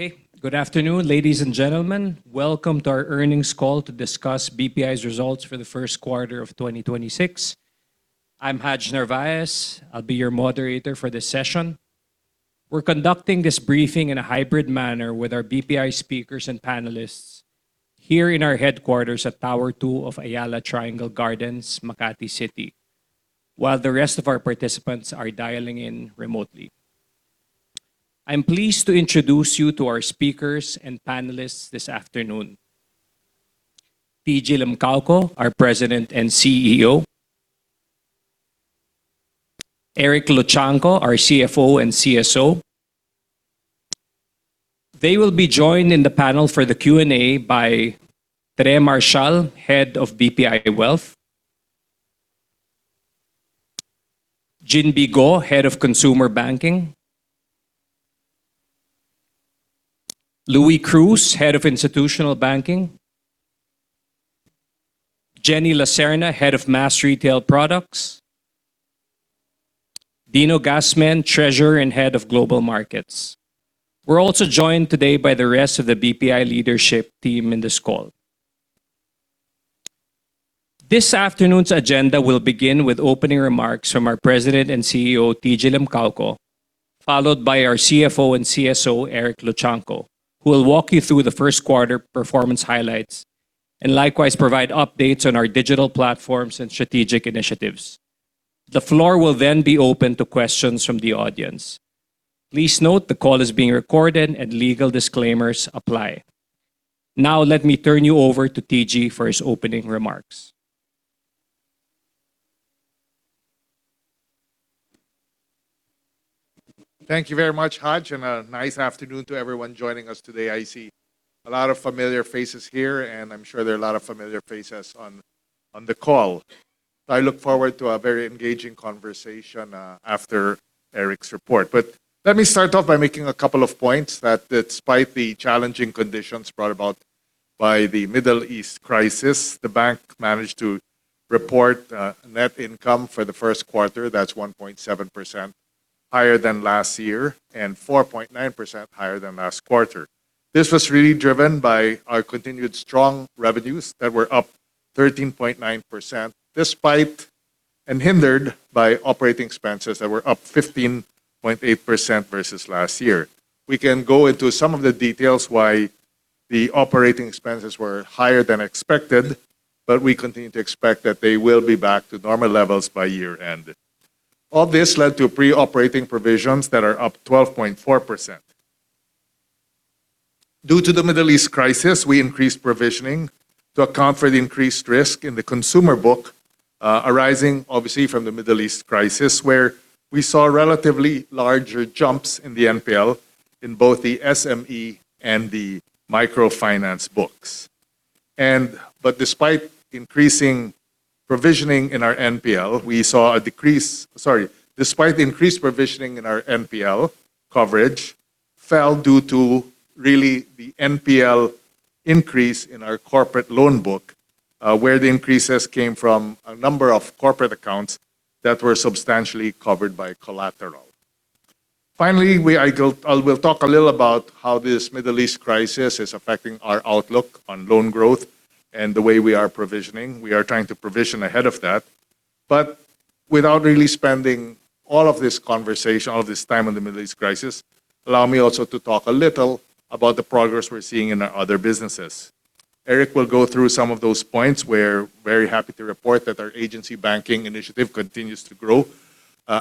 Okay. Good afternoon, ladies and gentlemen. Welcome to our earnings call to discuss BPI's results for the first quarter of 2026. I'm Haj Narvaez. I'll be your moderator for this session. We're conducting this briefing in a hybrid manner with our BPI speakers and panelists here in our headquarters at Tower 2 of Ayala Triangle Gardens, Makati City, while the rest of our participants are dialing in remotely. I'm pleased to introduce you to our speakers and panelists this afternoon. TG Limcaoco, our President and CEO. Eric Luchangco, our CFO and CSO. They will be joined in the panel for the Q&A by Tere Marcial, Head of BPI Wealth. Ginbee Go, Head of Consumer Banking. Luis Cruz, Head of Institutional Banking. Jenny Lacerna, Head of Mass Retail Products. Dino Gasmen, Treasurer and Head of Global Markets. We're also joined today by the rest of the BPI leadership team in this call. This afternoon's agenda will begin with opening remarks from our President and CEO, TG Limcaoco, followed by our CFO and CSO, Eric Luchangco, who will walk you through the first quarter performance highlights and likewise provide updates on our digital platforms and strategic initiatives. The floor will then be open to questions from the audience. Please note the call is being recorded and legal disclaimers apply. Now let me turn you over to TG for his opening remarks. Thank you very much, Haj, and a nice afternoon to everyone joining us today. I see a lot of familiar faces here, and I'm sure there are a lot of familiar faces on the call. I look forward to a very engaging conversation after Eric's report. Let me start off by making a couple of points that despite the challenging conditions brought about by the Middle East crisis, the bank managed to report net income for the first quarter. That's 1.7% higher than last year and 4.9% higher than last quarter. This was really driven by our continued strong revenues that were up 13.9%, despite and hindered by operating expenses that were up 15.8% versus last year. We can go into some of the details why the operating expenses were higher than expected, but we continue to expect that they will be back to normal levels by year-end. All this led to pre-operating provisions that are up 12.4%. Due to the Middle East crisis, we increased provisioning to account for the increased risk in the consumer book arising obviously from the Middle East crisis, where we saw relatively larger jumps in the NPL in both the SME and the microfinance books. Despite the increased provisioning in our NPL, coverage fell due to really the NPL increase in our corporate loan book where the increases came from a number of corporate accounts that were substantially covered by collateral. Finally, I will talk a little about how this Middle East crisis is affecting our outlook on loan growth and the way we are provisioning. We are trying to provision ahead of that. Without really spending all of this conversation, all this time on the Middle East crisis, allow me also to talk a little about the progress we're seeing in our other businesses. Eric will go through some of those points. We're very happy to report that our agency banking initiative continues to grow.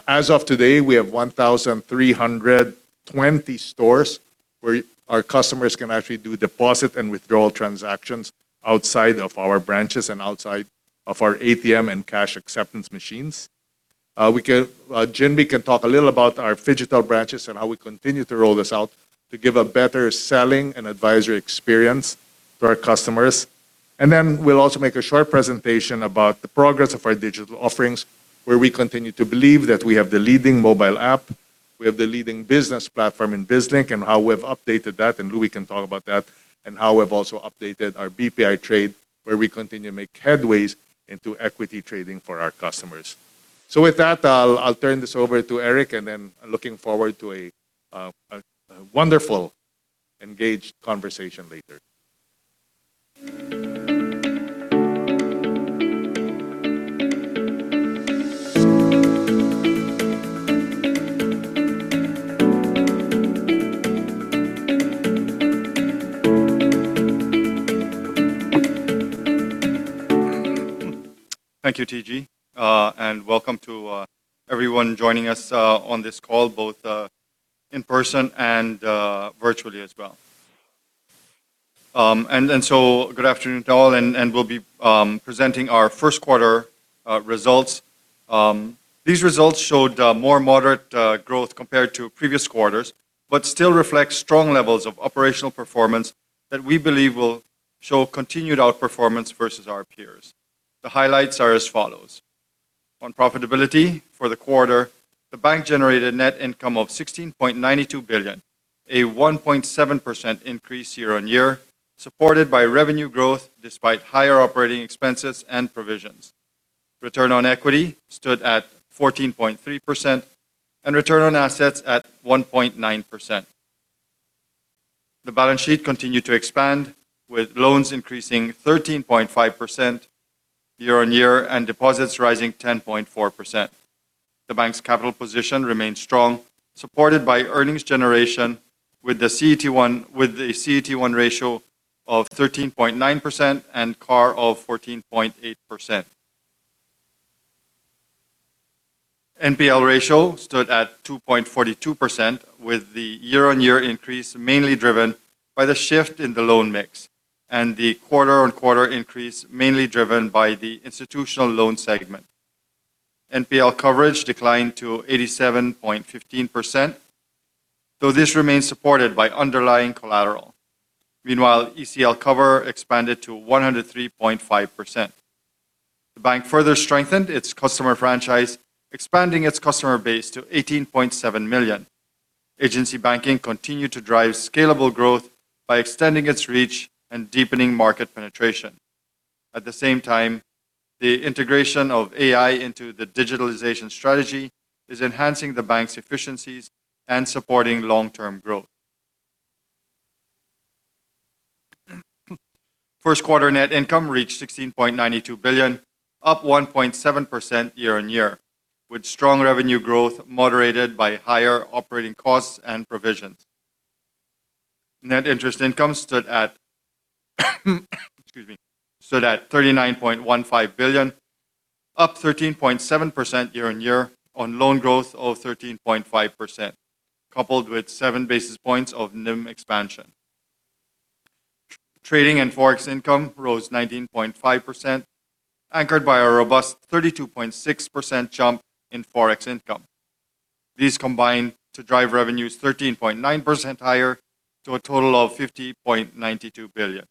As of today, we have 1,320 stores where our customers can actually do deposit and withdrawal transactions outside of our branches and outside of our ATM and cash acceptance machines. Ginbee can talk a little about our phygital branches and how we continue to roll this out to give a better selling and advisory experience to our customers. Then we'll also make a short presentation about the progress of our digital offerings, where we continue to believe that we have the leading mobile app, we have the leading business platform in BizLink, and how we've updated that, and Luis can talk about that, and how we've also updated our BPI Trade, where we continue to make headway into equity trading for our customers. With that, I'll turn this over to Eric, and then looking forward to a wonderful, engaged conversation later. Thank you, TG. Welcome to everyone joining us on this call, both in person and virtually as well. Good afternoon to all, and we'll be presenting our first quarter results. These results showed more moderate growth compared to previous quarters, but still reflect strong levels of operational performance that we believe will show continued outperformance versus our peers. The highlights are as follows. On profitability for the quarter, the bank generated net income of 16.92 billion, a 1.7% increase year-on-year, supported by revenue growth despite higher operating expenses and provisions. Return on equity stood at 14.3% and return on assets at 1.9%. The balance sheet continued to expand, with loans increasing 13.5% year-on-year and deposits rising 10.4%. The bank's capital position remains strong, supported by earnings generation with the CET1 ratio of 13.9% and CAR of 14.8%. NPL ratio stood at 2.42%, with the year-on-year increase mainly driven by the shift in the loan mix, and the quarter-on-quarter increase mainly driven by the institutional loan segment. NPL coverage declined to 87.15%, though this remains supported by underlying collateral. Meanwhile, ECL cover expanded to 103.5%. The bank further strengthened its customer franchise, expanding its customer base to 18.7 million. Agency banking continued to drive scalable growth by extending its reach and deepening market penetration. At the same time, the integration of AI into the digitalization strategy is enhancing the bank's efficiencies and supporting long-term growth. First quarter net income reached 16.92 billion, up 1.7% year-on-year, with strong revenue growth moderated by higher operating costs and provisions. Net interest income stood at 39.15 billion, up 13.7% year-on-year on loan growth of 13.5%, coupled with 7 basis points of NIM expansion. Trading and Forex income rose 19.5%, anchored by a robust 32.6% jump in Forex income. These combined to drive revenues 13.9% higher to a total of 50.92 billion.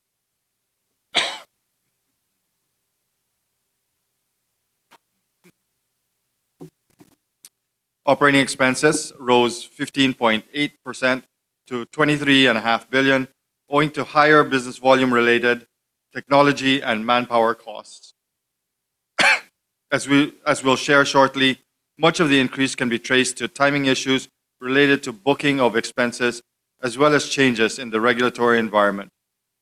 Operating expenses rose 15.8% to 23.5 billion, owing to higher business volume related technology and manpower costs. As we'll share shortly, much of the increase can be traced to timing issues related to booking of expenses, as well as changes in the regulatory environment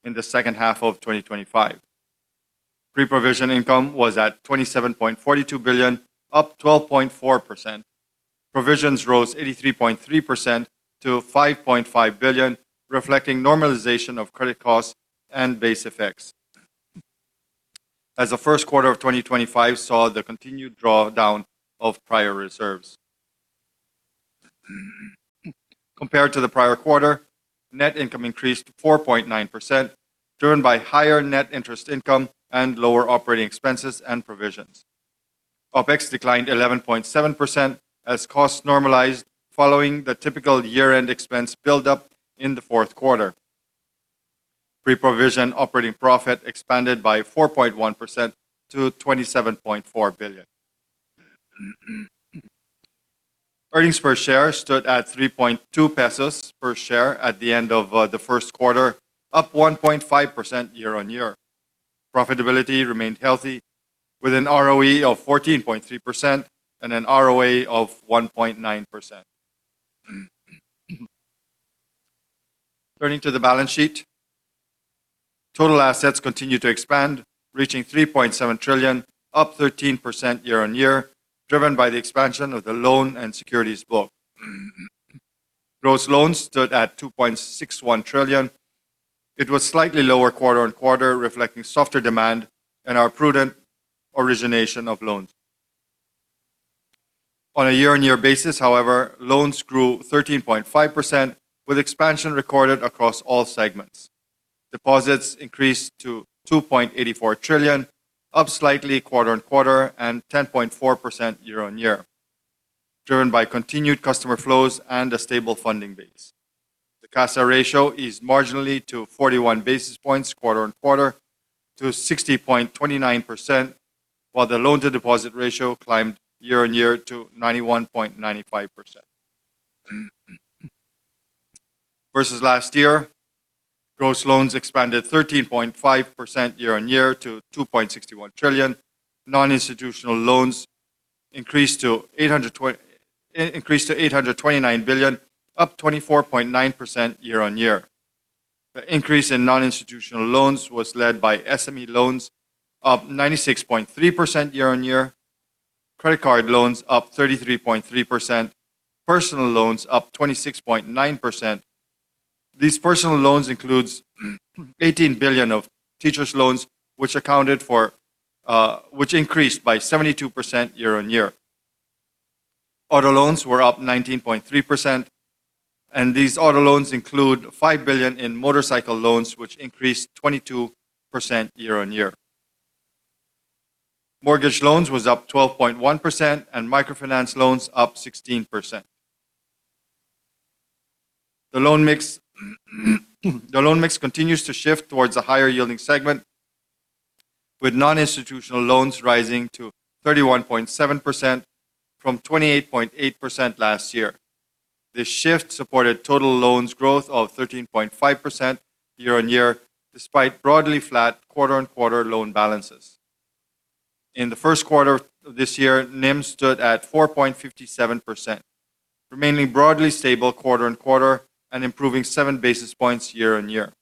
in the second half of 2025. Pre-provision income was at 27.42 billion, up 12.4%. Provisions rose 83.3% to 5.5 billion, reflecting normalization of credit costs and base effects as the first quarter of 2025 saw the continued drawdown of prior reserves. Compared to the prior quarter, net income increased to 4.9%, driven by higher net interest income and lower operating expenses and provisions. OpEx declined 11.7% as costs normalized following the typical year-end expense build up in the fourth quarter. Pre-provision operating profit expanded by 4.1% to 27.4 billion. Earnings per share stood at 3.2 pesos per share at the end of the first quarter, up 1.5% year-on-year. Profitability remained healthy with an ROE of 14.3% and an ROA of 1.9%. Turning to the balance sheet. Total assets continued to expand, reaching 3.7 trillion, up 13% year-on-year, driven by the expansion of the loan and securities book. Gross loans stood at 2.61 trillion. It was slightly lower quarter-on-quarter, reflecting softer demand and our prudent origination of loans. On a year-on-year basis, however, loans grew 13.5%, with expansion recorded across all segments. Deposits increased to 2.84 trillion, up slightly quarter-on-quarter and 10.4% year-on-year, driven by continued customer flows and a stable funding base. The CASA ratio is marginally up 41 basis points quarter-on-quarter to 60.29%, while the loan-to-deposit ratio climbed year-on-year to 91.95%. Versus last year, gross loans expanded 13.5% year-on-year to 2.61 trillion. Non-institutional loans increased to 829 billion, up 24.9% year-on-year. The increase in non-institutional loans was led by SME loans up 96.3% year-on-year, credit card loans up 33.3%, personal loans up 26.9%. These personal loans includes 18 billion of teachers loans which increased by 72% year-on-year. Auto loans were up 19.3%, and these auto loans include 5 billion in motorcycle loans, which increased 22% year-on-year. Mortgage loans was up 12.1% and microfinance loans up 16%. The loan mix continues to shift towards a higher yielding segment, with non-institutional loans rising to 31.7% from 28.8% last year. This shift supported total loans growth of 13.5% year-on-year, despite broadly flat quarter-on-quarter loan balances. In the first quarter of this year, NIM stood at 4.57%, remaining broadly stable quarter-on-quarter, and improving 7 basis points year-on-year,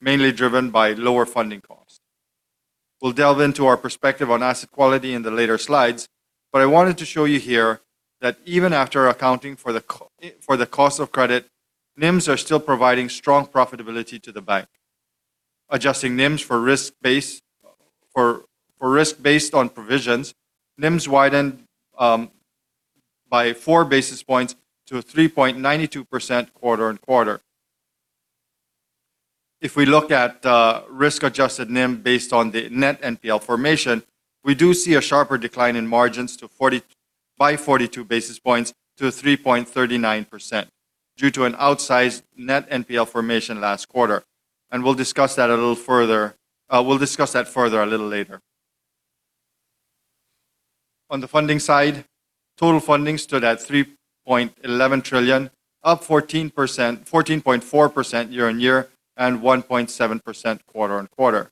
mainly driven by lower funding costs. We'll delve into our perspective on asset quality in the later slides, but I wanted to show you here that even after accounting for the cost of credit, NIMs are still providing strong profitability to the bank. Adjusting NIMs for risk based on provisions, NIMs widened by four basis points to 3.92% quarter-on-quarter. If we look at risk-adjusted NIM based on the net NPL formation, we do see a sharper decline in margins by 42 basis points to 3.39% due to an outsized net NPL formation last quarter, and we'll discuss that further a little later. On the funding side, total funding stood at 3.11 trillion, up 14.4% year-on-year, and 1.7% quarter-on-quarter.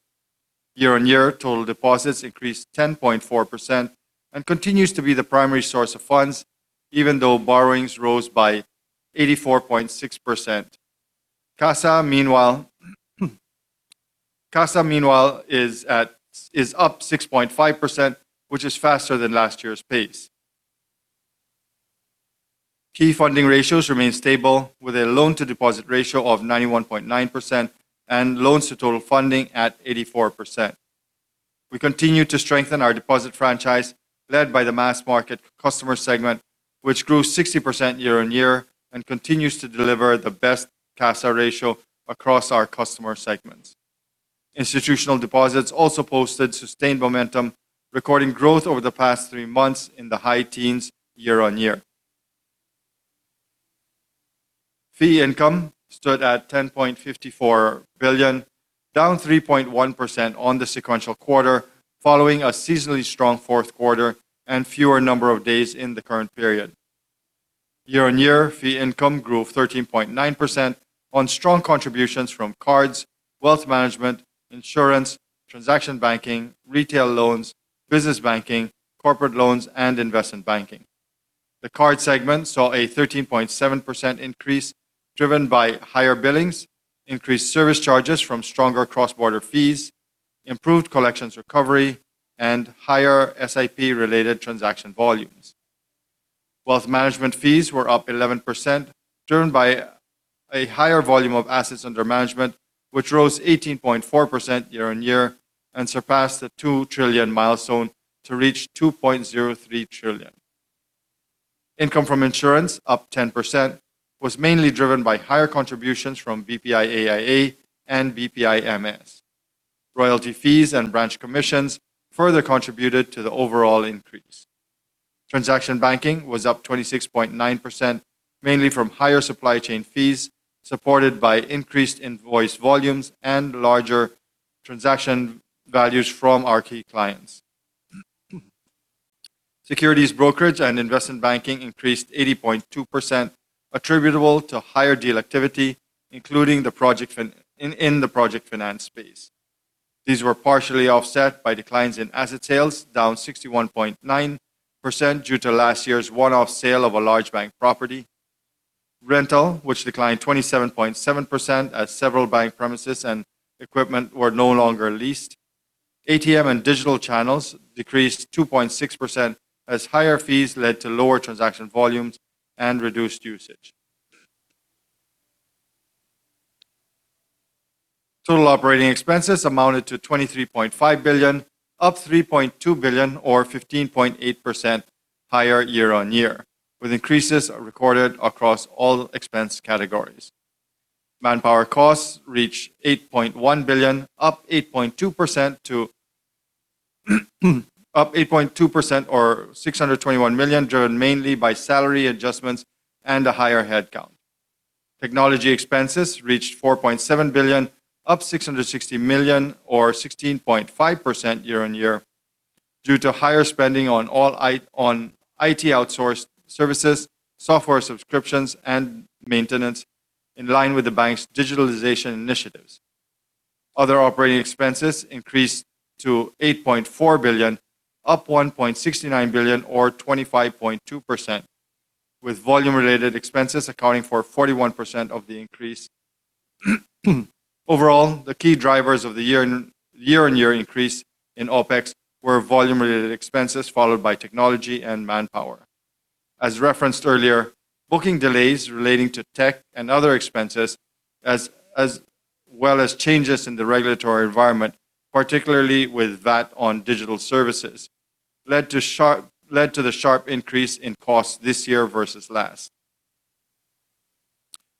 Year-on-year, total deposits increased 10.4% and continues to be the primary source of funds, even though borrowings rose by 84.6%. CASA, meanwhile, is up 6.5%, which is faster than last year's pace. Key funding ratios remain stable, with a loan-to-deposit ratio of 91.9% and loans to total funding at 84%. We continue to strengthen our deposit franchise, led by the mass market customer segment, which grew 60% year-on-year and continues to deliver the best CASA ratio across our customer segments. Institutional deposits also posted sustained momentum, recording growth over the past three months in the high teens year-on-year. Fee income stood at 10.54 billion, down 3.1% on the sequential quarter, following a seasonally strong fourth quarter and fewer number of days in the current period. Year-on-year, fee income grew 13.9% on strong contributions from cards, wealth management, insurance, transaction banking, retail loans, business banking, corporate loans, and investment banking. The card segment saw a 13.7% increase, driven by higher billings, increased service charges from stronger cross-border fees, improved collections recovery, and higher SIP-related transaction volumes. Wealth management fees were up 11%, driven by a higher volume of assets under management, which rose 18.4% year-on-year and surpassed the 2 trillion milestone to reach 2.03 trillion. Income from insurance, up 10%, was mainly driven by higher contributions from BPI AIA and BPI/MS. Royalty fees and branch commissions further contributed to the overall increase. Transaction banking was up 26.9%, mainly from higher supply chain fees, supported by increased invoice volumes and larger transaction values from our key clients. Securities brokerage and investment banking increased 80.2%, attributable to higher deal activity, including in the project finance space. These were partially offset by declines in asset sales, down 61.9% due to last year's one-off sale of a large bank property. Rental, which declined 27.7% as several bank premises and equipment were no longer leased. ATM and digital channels decreased 2.6% as higher fees led to lower transaction volumes and reduced usage. Total operating expenses amounted to 23.5 billion, up 3.2 billion or 15.8% higher year-over-year, with increases recorded across all expense categories. Manpower costs reached 8.1 billion, up 8.2% or 621 million, driven mainly by salary adjustments and a higher headcount. Technology expenses reached 4.7 billion, up 660 million or 16.5% year-on-year due to higher spending on IT outsourced services, software subscriptions, and maintenance in line with the bank's digitalization initiatives. Other operating expenses increased to 8.4 billion, up 1.69 billion or 25.2%, with volume-related expenses accounting for 41% of the increase. Overall, the key drivers of the year-on-year increase in OpEx were volume-related expenses, followed by technology and manpower. As referenced earlier, booking delays relating to tech and other expenses, as well as changes in the regulatory environment, particularly with VAT on digital services, led to the sharp increase in costs this year versus last.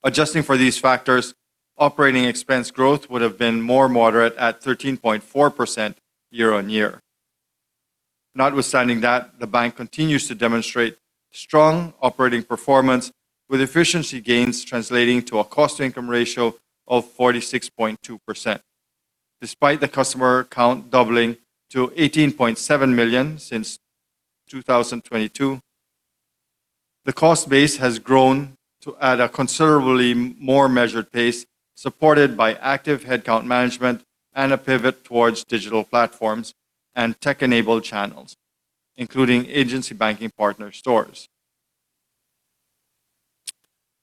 Adjusting for these factors, operating expense growth would have been more moderate at 13.4% year-on-year. Notwithstanding that, the bank continues to demonstrate strong operating performance, with efficiency gains translating to a cost-to-income ratio of 46.2%. Despite the customer count doubling to 18.7 million since 2022, the cost base has grown at a considerably more measured pace, supported by active headcount management and a pivot towards digital platforms and tech-enabled channels, including agency banking partner stores.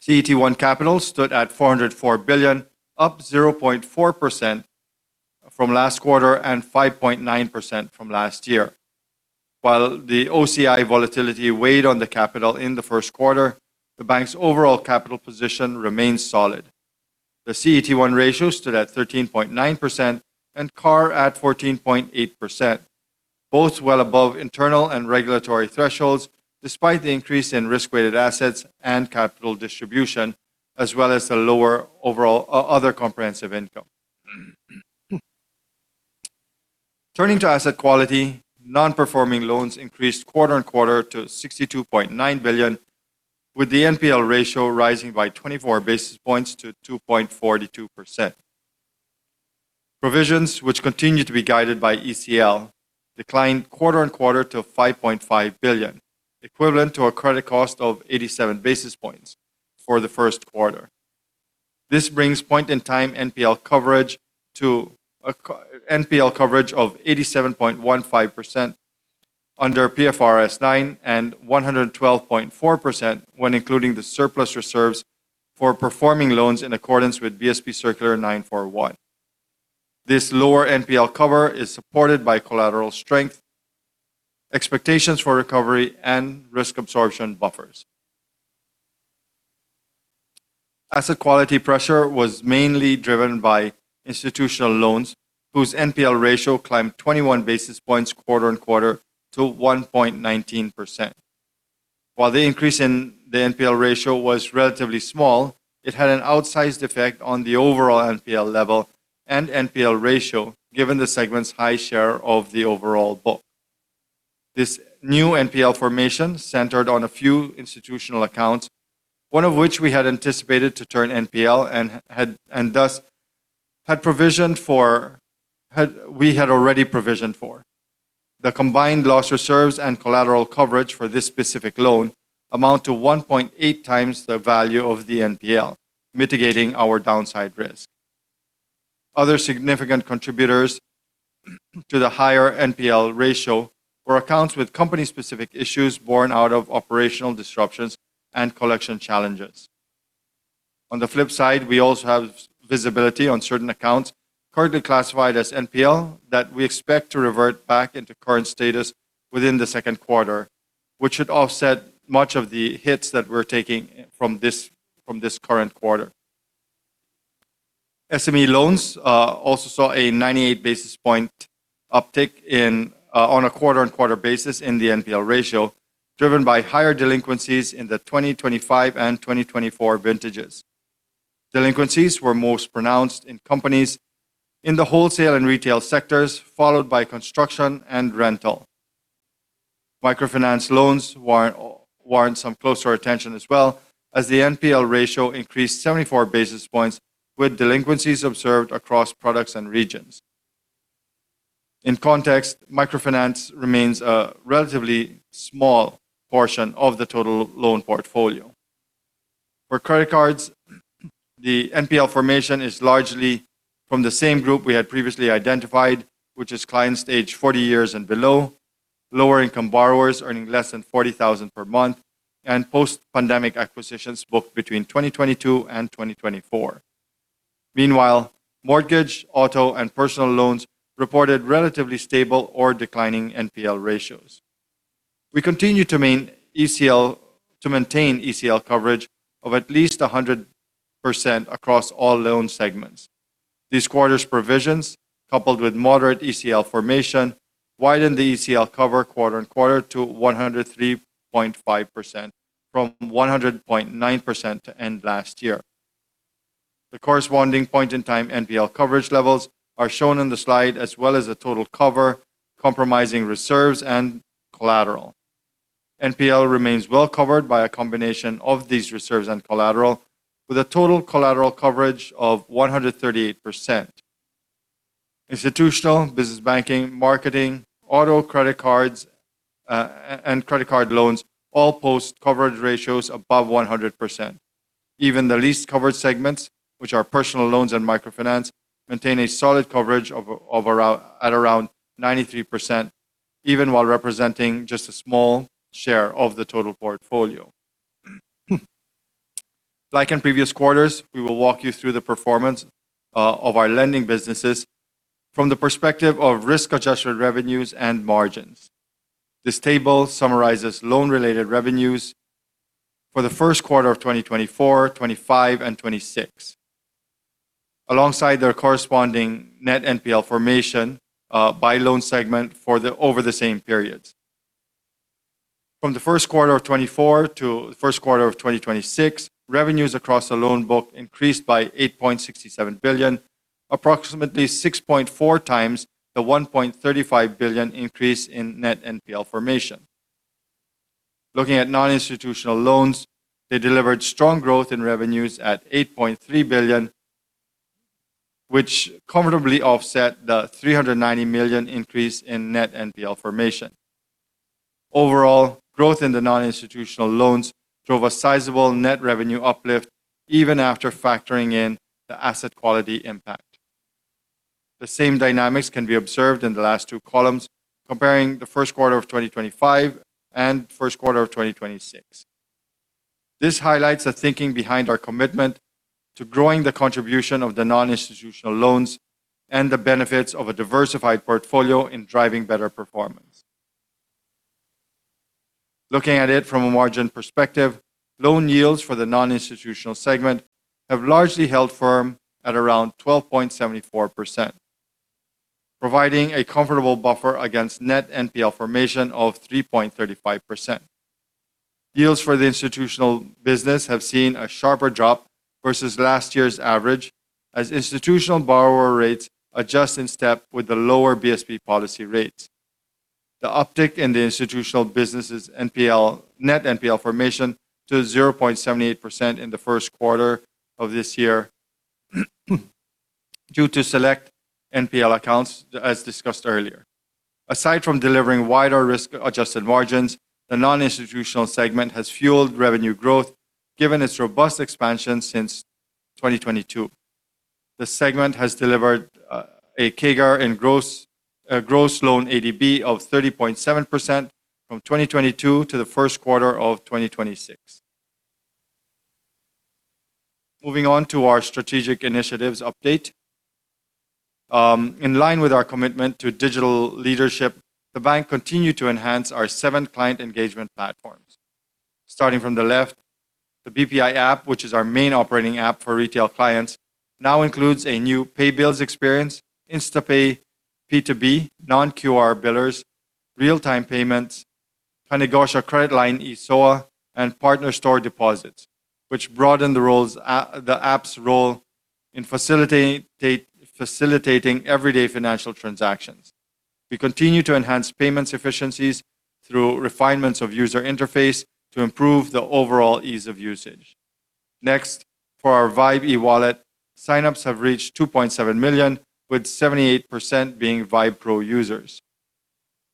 CET1 capital stood at 404 billion, up 0.4% from last quarter and 5.9% from last year. While the OCI volatility weighed on the capital in the first quarter, the bank's overall capital position remains solid. The CET1 ratio stood at 13.9% and CAR at 14.8%, both well above internal and regulatory thresholds, despite the increase in risk-weighted assets and capital distribution, as well as the lower overall other comprehensive income. Turning to asset quality, non-performing loans increased quarter-over-quarter to 62.9 billion, with the NPL ratio rising by 24 basis points to 2.42%. Provisions, which continue to be guided by ECL, declined quarter-over-quarter to 5.5 billion, equivalent to a credit cost of 87 basis points for the first quarter. This brings point-in-time NPL coverage of 87.15% under PFRS9 and 112.4% when including the surplus reserves for performing loans in accordance with BSP Circular 941. This lower NPL cover is supported by collateral strength, expectations for recovery, and risk absorption buffers. Asset quality pressure was mainly driven by institutional loans, whose NPL ratio climbed 21 basis points quarter-over-quarter to 1.19%. While the increase in the NPL ratio was relatively small, it had an outsized effect on the overall NPL level and NPL ratio, given the segment's high share of the overall book. This new NPL formation centered on a few institutional accounts, one of which we had anticipated to turn NPL and thus we had already provisioned for. The combined loss reserves and collateral coverage for this specific loan amount to 1.8x the value of the NPL, mitigating our downside risk. Other significant contributors to the higher NPL ratio were accounts with company-specific issues borne out of operational disruptions and collection challenges. On the flip side, we also have visibility on certain accounts currently classified as NPL that we expect to revert back into current status within the second quarter, which should offset much of the hits that we're taking from this current quarter. SME loans also saw a 98 basis point uptick on a quarter-on-quarter basis in the NPL ratio, driven by higher delinquencies in the 2025 and 2024 vintages. Delinquencies were most pronounced in companies in the wholesale and retail sectors, followed by construction and rental. Microfinance loans warrant some closer attention as well, as the NPL ratio increased 74 basis points with delinquencies observed across products and regions. In context, microfinance remains a relatively small portion of the total loan portfolio. For credit cards, the NPL formation is largely from the same group we had previously identified, which is clients aged 40 years and below, lower-income borrowers earning less than 40,000 per month, and post-pandemic acquisitions booked between 2022 and 2024. Meanwhile, mortgage, auto, and personal loans reported relatively stable or declining NPL ratios. We continue to maintain ECL coverage of at least 100% across all loan segments. This quarter's provisions, coupled with moderate ECL formation, widened the ECL cover quarter on quarter to 103.5%, from 100.9% to end last year. The corresponding point-in-time NPL coverage levels are shown on the slide, as well as the total cover comprising reserves and collateral. NPL remains well covered by a combination of these reserves and collateral, with a total collateral coverage of 138%. Institutional, business banking, marketing, auto, credit cards, and credit card loans all boast coverage ratios above 100%. Even the least covered segments, which are personal loans and microfinance, maintain a solid coverage at around 93%, even while representing just a small share of the total portfolio. Like in previous quarters, we will walk you through the performance of our lending businesses from the perspective of risk-adjusted revenues and margins. This table summarizes loan-related revenues for the first quarter of 2024, 2025, and 2026, alongside their corresponding net NPL formation by loan segment over the same periods. From the first quarter of 2024 to the first quarter of 2026, revenues across the loan book increased by 8.67 billion, approximately 6.4 times the 1.35 billion increase in net NPL formation. Looking at non-institutional loans, they delivered strong growth in revenues at 8.3 billion, which comfortably offset the 390 million increase in net NPL formation. Overall, growth in the non-institutional loans drove a sizable net revenue uplift even after factoring in the asset quality impact. The same dynamics can be observed in the last two columns comparing the first quarter of 2025 and first quarter of 2026. This highlights the thinking behind our commitment to growing the contribution of the non-institutional loans and the benefits of a diversified portfolio in driving better performance. Looking at it from a margin perspective, loan yields for the non-institutional segment have largely held firm at around 12.74%, providing a comfortable buffer against net NPL formation of 3.35%. Yields for the institutional business have seen a sharper drop versus last year's average as institutional borrower rates adjust in step with the lower BSP policy rates. The uptick in the institutional business's net NPL formation to 0.78% in the first quarter of this year is due to select NPL accounts as discussed earlier. Aside from delivering wider risk-adjusted margins, the non-institutional segment has fueled revenue growth given its robust expansion since 2022. The segment has delivered a CAGR in gross loan ADB of 30.7% from 2022 to the first quarter of 2026. Moving on to our strategic initiatives update. In line with our commitment to digital leadership, the bank continued to enhance our seven client engagement platforms. Starting from the left, the BPI app, which is our main operating app for retail clients, now includes a new pay bills experience, InstaPay P2B, non-QR billers, real-time payments, Ka-Negosyo Credit Line, eSOA, and partner store deposits, which broaden the app's role in facilitating everyday financial transactions. We continue to enhance payments efficiencies through refinements of user interface to improve the overall ease of usage. Next, for our Vybe eWallet, sign-ups have reached 2.7 million, with 78% being Vybe Pro users.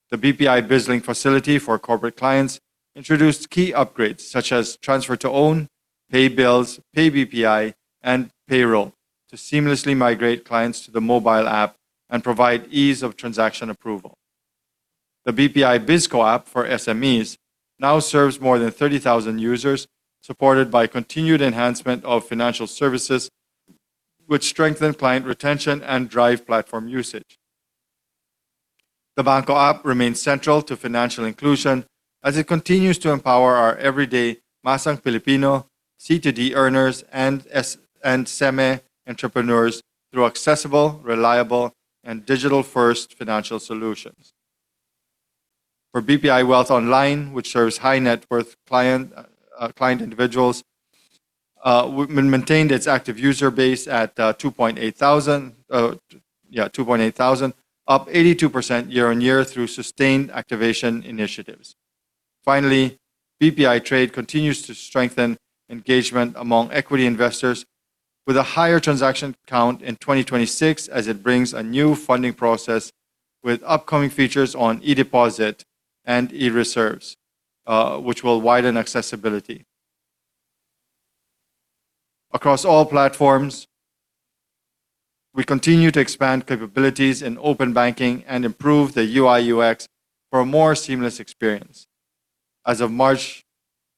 The BPI BizLink facility for corporate clients introduced key upgrades such as Transfer to Own, Pay Bills, Pay BPI, and Payroll to seamlessly migrate clients to the mobile app and provide ease of transaction approval. The BPI BizKo app for SMEs now serves more than 30,000 users, supported by continued enhancement of financial services, which strengthen client retention and drive platform usage. The BanKo app remains central to financial inclusion as it continues to empower our everyday masang Pilipino, C to D earners, and MSME entrepreneurs through accessible, reliable, and digital-first financial solutions. For BPI Wealth Online, which serves high-net-worth client individuals, we maintained its active user base at 2,800, up 82% year-on-year through sustained activation initiatives. Finally, BPI Trade continues to strengthen engagement among equity investors with a higher transaction count in 2026 as it brings a new funding process with upcoming features on eDeposit and eReserves, which will widen accessibility. Across all platforms, we continue to expand capabilities in open banking and improve the UI/UX for a more seamless experience. As of March,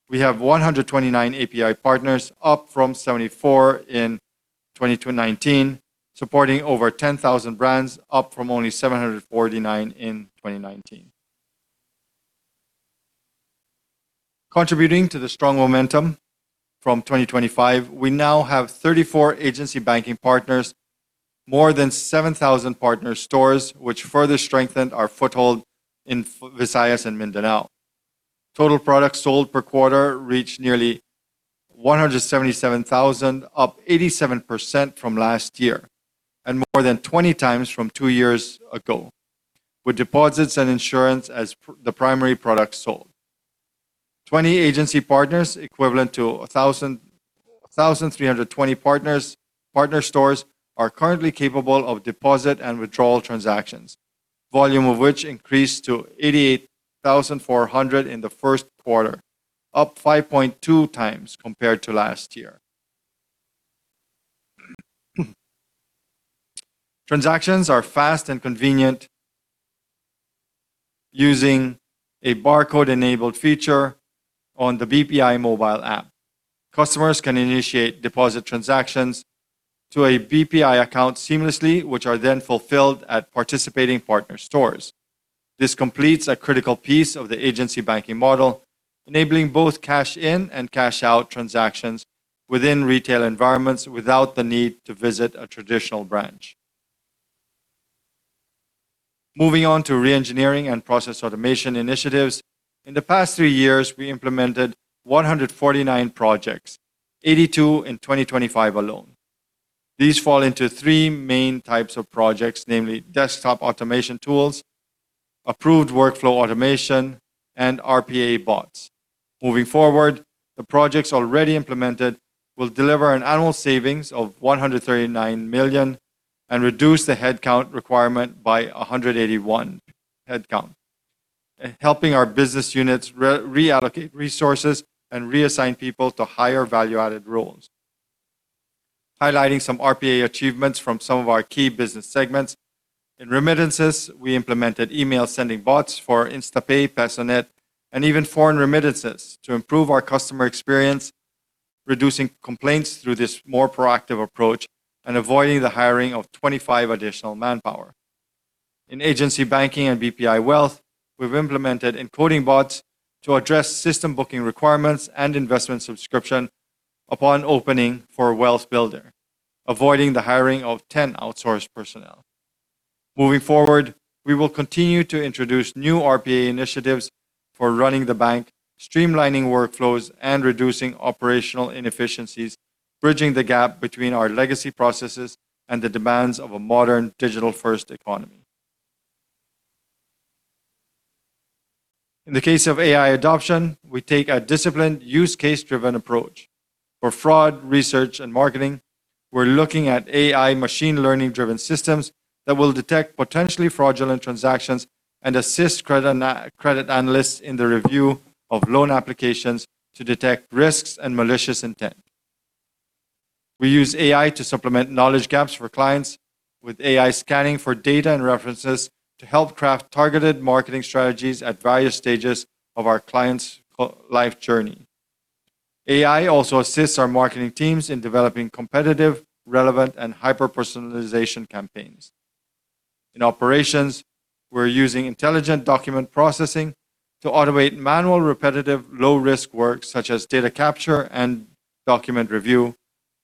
we have 129 API partners, up from 74 in 2019, supporting over 10,000 brands, up from only 749 in 2019. Contributing to the strong momentum from 2025, we now have 34 agency banking partners, more than 7,000 partner stores, which further strengthened our foothold in Visayas and Mindanao. Total products sold per quarter reached nearly 177,000, up 87% from last year, and more than 20 times from two years ago, with deposits and insurance as the primary products sold. 20 agency partners, equivalent to 1,320 partner stores, are currently capable of deposit and withdrawal transactions, volume of which increased to 88,400 in the first quarter, up 5.2 times compared to last year. Transactions are fast and convenient using a barcode-enabled feature on the BPI mobile app. Customers can initiate deposit transactions to a BPI account seamlessly, which are then fulfilled at participating partner stores. This completes a critical piece of the agency banking model, enabling both cash in and cash out transactions within retail environments without the need to visit a traditional branch. Moving on to re-engineering and process automation initiatives. In the past 3 years, we implemented 149 projects, 82 in 2025 alone. These fall into three main types of projects, namely desktop automation tools, approved workflow automation, and RPA bots. Moving forward, the projects already implemented will deliver an annual savings of 139 million and reduce the headcount requirement by 181 headcount, helping our business units reallocate resources and reassign people to higher value-added roles. Highlighting some RPA achievements from some of our key business segments. In remittances, we implemented email-sending bots for InstaPay, PESONet, and even foreign remittances to improve our customer experience, reducing complaints through this more proactive approach and avoiding the hiring of 25 additional manpower. In agency banking and BPI Wealth, we've implemented encoding bots to address system booking requirements and investment subscription upon opening for Wealth Builder, avoiding the hiring of 10 outsourced personnel. Moving forward, we will continue to introduce new RPA initiatives for running the bank, streamlining workflows, and reducing operational inefficiencies, bridging the gap between our legacy processes and the demands of a modern digital-first economy. In the case of AI adoption, we take a disciplined use case-driven approach. For fraud, research, and marketing, we're looking at AI machine learning-driven systems that will detect potentially fraudulent transactions and assist credit analysts in the review of loan applications to detect risks and malicious intent. We use AI to supplement knowledge gaps for clients with AI scanning for data and references to help craft targeted marketing strategies at various stages of our clients' life journey. AI also assists our marketing teams in developing competitive, relevant, and hyper-personalization campaigns. In operations, we're using intelligent document processing to automate manual, repetitive, low-risk work such as data capture and document review,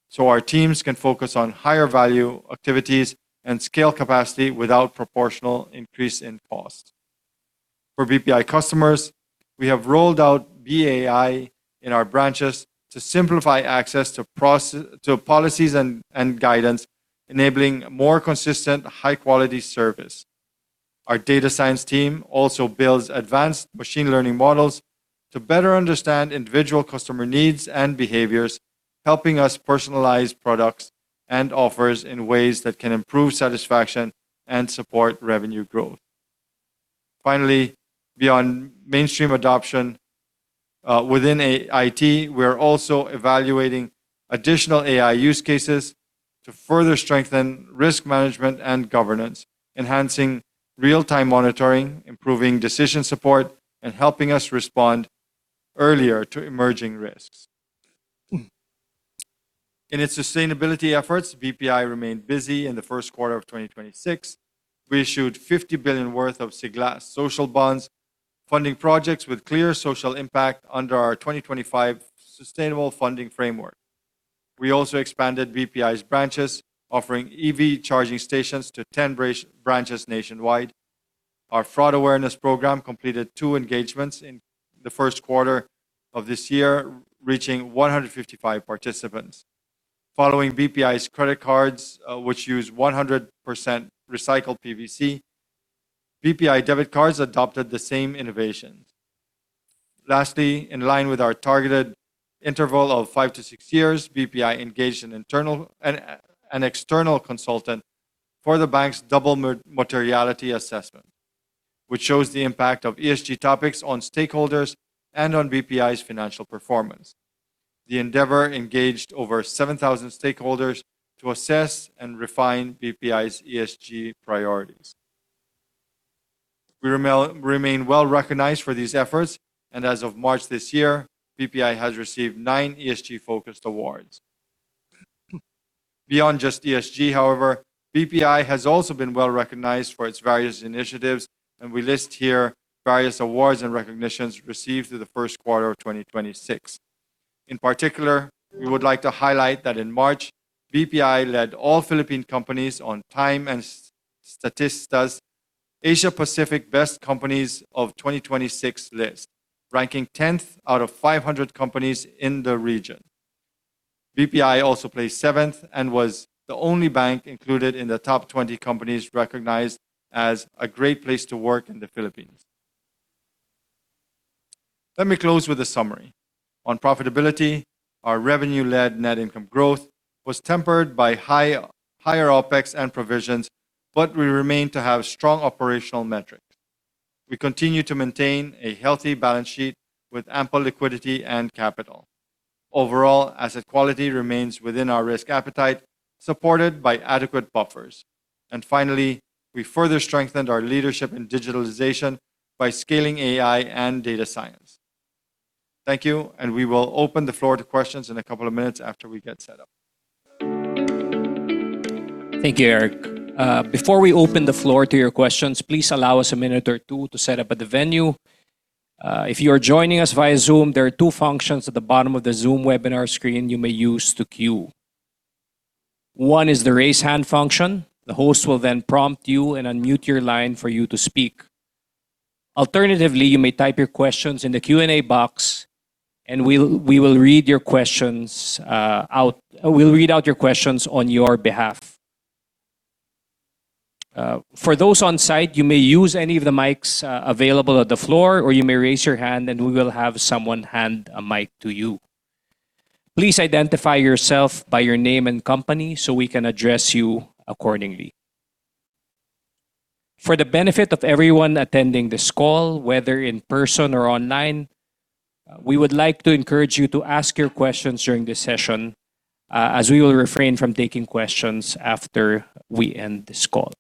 so our teams can focus on higher-value activities and scale capacity without proportional increase in cost. For BPI customers, we have rolled out BEAi in our branches to simplify access to policies and guidance, enabling more consistent, high-quality service. Our data science team also builds advanced machine learning models to better understand individual customer needs and behaviors, helping us personalize products and offers in ways that can improve satisfaction and support revenue growth. Finally, beyond mainstream adoption, within IT, we are also evaluating additional AI use cases to further strengthen risk management and governance, enhancing real-time monitoring, improving decision support, and helping us respond earlier to emerging risks. In its sustainability efforts, BPI remained busy in the first quarter of 2026. We issued 50 billion worth of social bonds, funding projects with clear social impact under our 2025 sustainable funding framework. We also expanded BPI's branches, offering EV charging stations to 10 branches nationwide. Our fraud awareness program completed 2 engagements in the first quarter of this year, reaching 155 participants. Following BPI's credit cards, which use 100% recycled PVC, BPI debit cards adopted the same innovations. Lastly, in line with our targeted interval of 5-6 years, BPI engaged an external consultant for the bank's double materiality assessment, which shows the impact of ESG topics on stakeholders and on BPI's financial performance. The endeavor engaged over 7,000 stakeholders to assess and refine BPI's ESG priorities. We remain well-recognized for these efforts, and as of March this year, BPI has received nine ESG-focused awards. Beyond just ESG, however, BPI has also been well-recognized for its various initiatives, and we list here various awards and recognitions received through the first quarter of 2026. In particular, we would like to highlight that in March, BPI led all Philippine companies on TIME and Statista's Asia Pacific Best Companies of 2026 list, ranking 10th out of 500 companies in the region. BPI also placed seventh and was the only bank included in the top 20 companies recognized as a great place to work in the Philippines. Let me close with a summary. On profitability, our revenue-led net income growth was tempered by higher OPEX and provisions, but we remain to have strong operational metrics. We continue to maintain a healthy balance sheet with ample liquidity and capital. Overall, asset quality remains within our risk appetite, supported by adequate buffers. Finally, we further strengthened our leadership in digitalization by scaling AI and data science. Thank you, and we will open the floor to questions in a couple of minutes after we get set up. Thank you, Eric. Before we open the floor to your questions, please allow us a minute or two to set up at the venue. If you are joining us via Zoom, there are two functions at the bottom of the Zoom webinar screen you may use to queue. One is the raise hand function. The host will then prompt you and unmute your line for you to speak. Alternatively, you may type your questions in the Q&A box and we'll read out your questions on your behalf. For those on-site, you may use any of the mics available at the floor, or you may raise your hand and we will have someone hand a mic to you. Please identify yourself by your name and company so we can address you accordingly. For the benefit of everyone attending this call, whether in person or online, we would like to encourage you to ask your questions during the session, as we will refrain from taking questions after we end this call.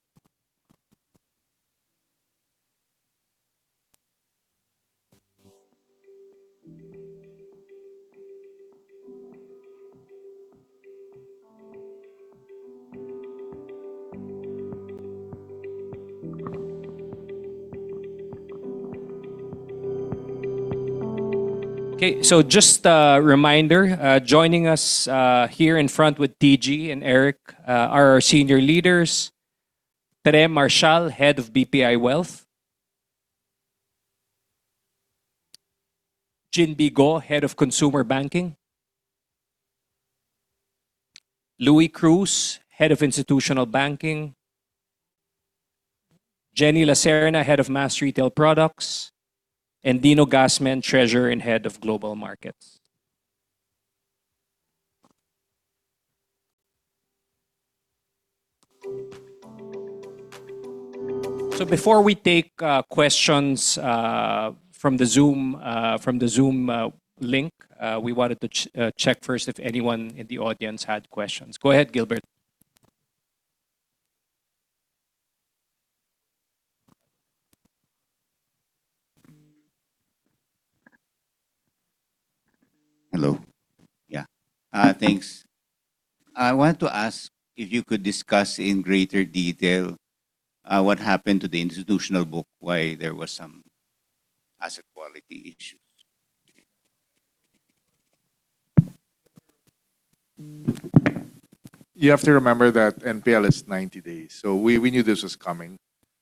Okay. Just a reminder, joining us here in front with TG and Eric are our senior leaders, Tere Marcial, Head of BPI Wealth, Ginbee Go, Head of Consumer Banking, Luis Cruz, Head of Institutional Banking, Jenny Lacerna, Head of Mass Retail Products, and Dino Gasmen, Treasurer and Head of Global Markets. Before we take questions from the Zoom link, we wanted to check first if anyone in the audience had questions. Go ahead, Gilbert. Hello. Yeah. Thanks. I want to ask if you could discuss in greater detail what happened to the institutional book, why there was some asset quality issues? You have to remember that NPL is 90 days. We knew this was coming.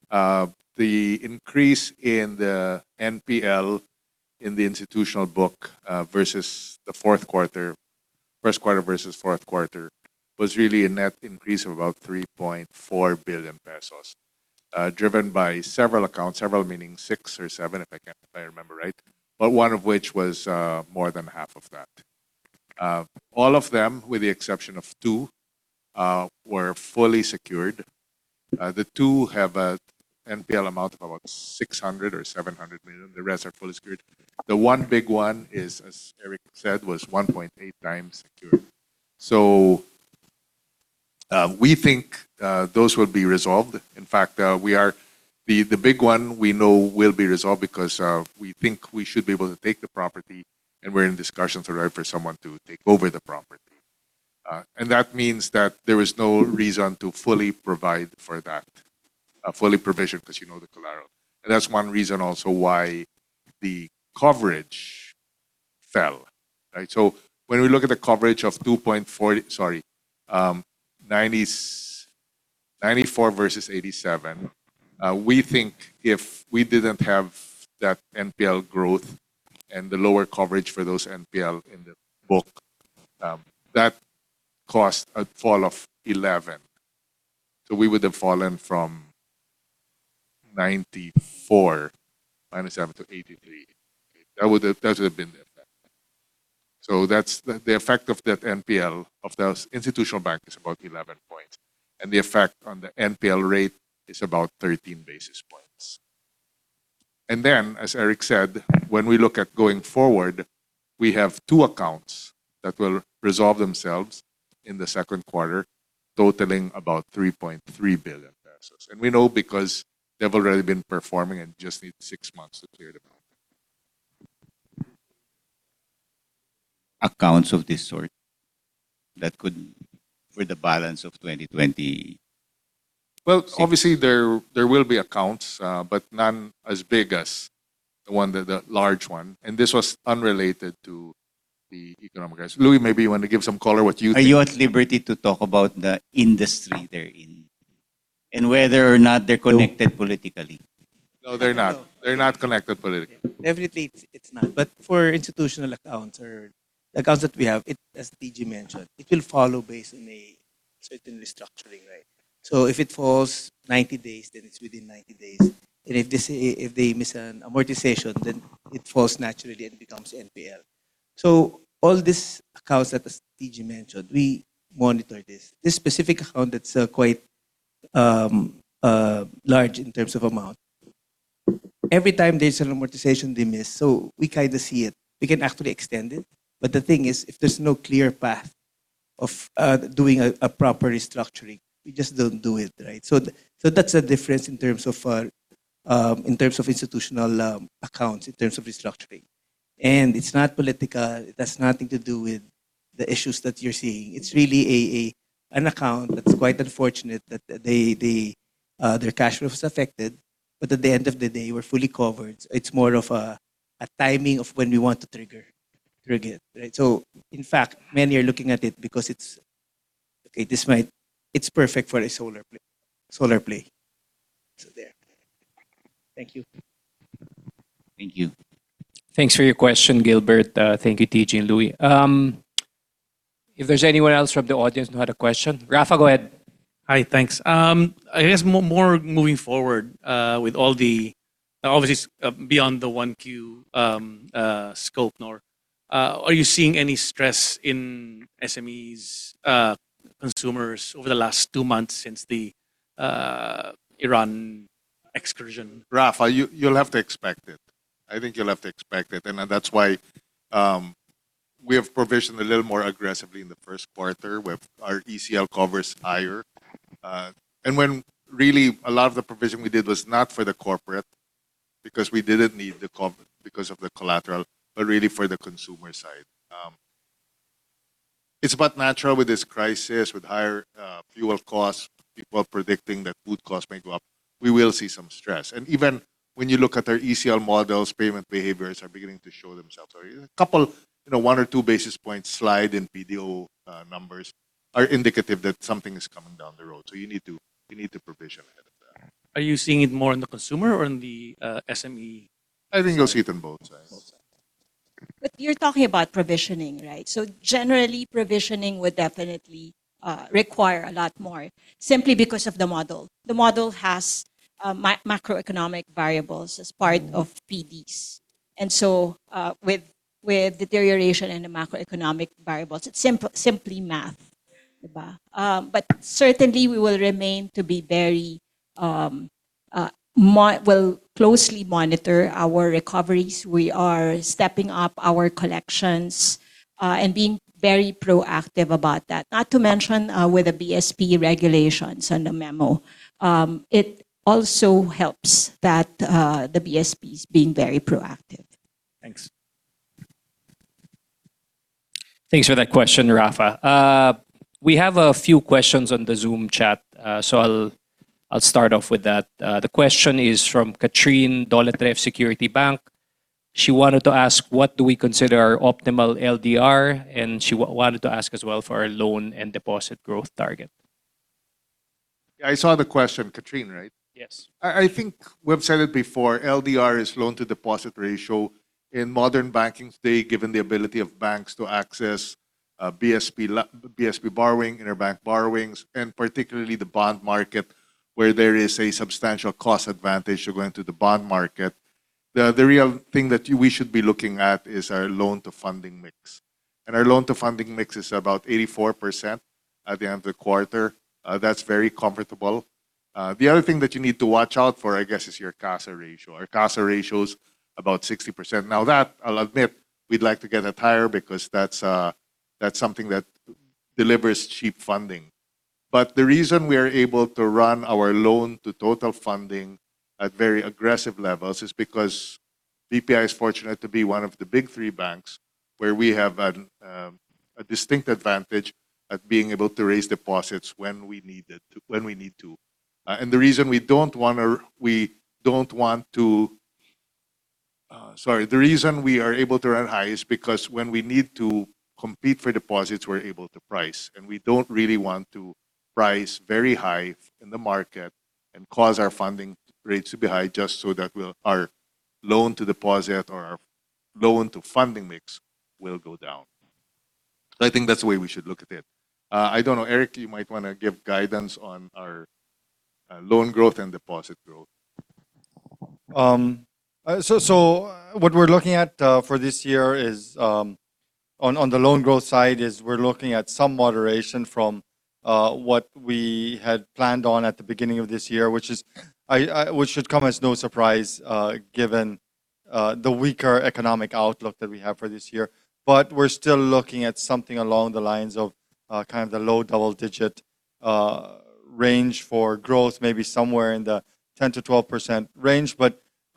The increase in the NPL in the institutional book, first quarter versus fourth quarter, was really a net increase of about 3.4 billion pesos. Driven by several accounts, several meaning six or seven, if I remember right, but one of which was more than half of that. All of them, with the exception of two, were fully secured. The two have a NPL amount of about 600 million or 700 million. The rest are fully secured. The one big one is, as Eric said, was 1.8 times secured. We think those will be resolved. In fact, the big one we know will be resolved because we think we should be able to take the property, and we're in discussions already for someone to take over the property. That means that there is no reason to fully provision for that, because you know the collateral. That's one reason also why the coverage fell, right? When we look at the coverage of 94 versus 87, we think if we didn't have that NPL growth and the lower coverage for those NPL in the book, that caused a fall of 11. We would have fallen from 94 - 7 to 83. That would have been the effect. The effect of that NPL of those institutional banks is about 11 points, and the effect on the NPL rate is about 13 basis points. As Eric said, when we look going forward, we have two accounts that will resolve themselves in the second quarter, totaling about 3.3 billion pesos. We know because they've already been performing and just need six months to clear the balance. Accounts of this sort, for the balance of 2026. Well, obviously there will be accounts, but none as big as the large one, and this was unrelated to the economic crisis. Luis, maybe you want to give some color what you think. Are you at liberty to talk about the industry they're in and whether or not they're connected politically? No, they're not. They're not connected politically. Definitely, it's not. For institutional accounts or accounts that we have, as TG mentioned, it will follow based on a certain restructuring, right? If it falls 90 days, then it's within 90 days. If they miss an amortization, then it falls naturally and becomes NPL. All these accounts that TG mentioned, we monitor this specific account that's quite large in terms of amount. Every time there's an amortization they miss, we kind of see it. We can actually extend it, but the thing is, if there's no clear path of doing a proper restructuring, we just don't do it, right? That's the difference in terms of institutional accounts, in terms of restructuring. It's not political. It has nothing to do with the issues that you're seeing. It's really an account that's quite unfortunate that their cash flow is affected, but at the end of the day, we're fully covered. It's more of a timing of when we want to trigger it, right? In fact, many are looking at it because it's. Okay. It's perfect for a solar play. Thank you. Thanks for your question, Gilbert. Thank you, TG and Luis. If there's anyone else from the audience who had a question? Rafa, go ahead. Hi. Thanks. I guess more moving forward with all the, obviously, beyond the 1Q scope now. Are you seeing any stress in SMEs, consumers over the last two months since the Iran incursion? Rafa, you'll have to expect it. I think you'll have to expect it. That's why we have provisioned a little more aggressively in the first quarter. Our ECL cover is higher. When really a lot of the provision we did was not for the corporate, because we didn't need the cover because of the collateral, but really for the consumer side. It's inevitable with this crisis, with higher fuel costs, people predicting that food costs may go up. We will see some stress. Even when you look at our ECL models, payment behaviors are beginning to show themselves. A couple, one or two basis points slide in BDO numbers are indicative that something is coming down the road, so you need to provision ahead of that. Are you seeing it more in the consumer or in the SME side? I think you'll see it on both sides. Both sides. You're talking about provisioning, right? Generally, provisioning would definitely require a lot more simply because of the model. The model has macroeconomic variables as part of PDs. With deterioration in the macroeconomic variables, it's simply math. Certainly, we will closely monitor our recoveries. We are stepping up our collections, and being very proactive about that. Not to mention, with the BSP regulations and the memo. It also helps that the BSP is being very proactive. Thanks. Thanks for that question, Rafa. We have a few questions on the Zoom chat, so I'll start off with that. The question is from Katrine Dolatre, Security Bank. She wanted to ask, what do we consider our optimal LDR, and she wanted to ask as well for our loan and deposit growth target. Yeah, I saw the question, Katrine, right? Yes. I think we've said it before, LDR is loan-to-deposit ratio. In modern banking today, given the ability of banks to access BSP borrowing, interbank borrowings, and particularly the bond market, where there is a substantial cost advantage to going to the bond market. The real thing that we should be looking at is our loan-to-funding mix. Our loan-to-funding mix is about 84% at the end of the quarter. That's very comfortable. The other thing that you need to watch out for, I guess, is your CASA ratio. Our CASA ratio is about 60%. Now that I'll admit we'd like to get that higher because that's something that delivers cheap funding. The reason we are able to run our loan to total funding at very aggressive levels is because BPI is fortunate to be one of the big three banks, where we have a distinct advantage at being able to raise deposits when we need to. Sorry. The reason we are able to run high is because when we need to compete for deposits, we're able to price, and we don't really want to price very high in the market and cause our funding rates to be high just so that our loan to deposit or our loan to funding mix will go down. I think that's the way we should look at it. I don't know, Eric, you might want to give guidance on our loan growth and deposit growth. What we're looking at for this year is, on the loan growth side, we're looking at some moderation from what we had planned on at the beginning of this year, which should come as no surprise, given the weaker economic outlook that we have for this year. We're still looking at something along the lines of kind of the low double digit range for growth, maybe somewhere in the 10%-12% range.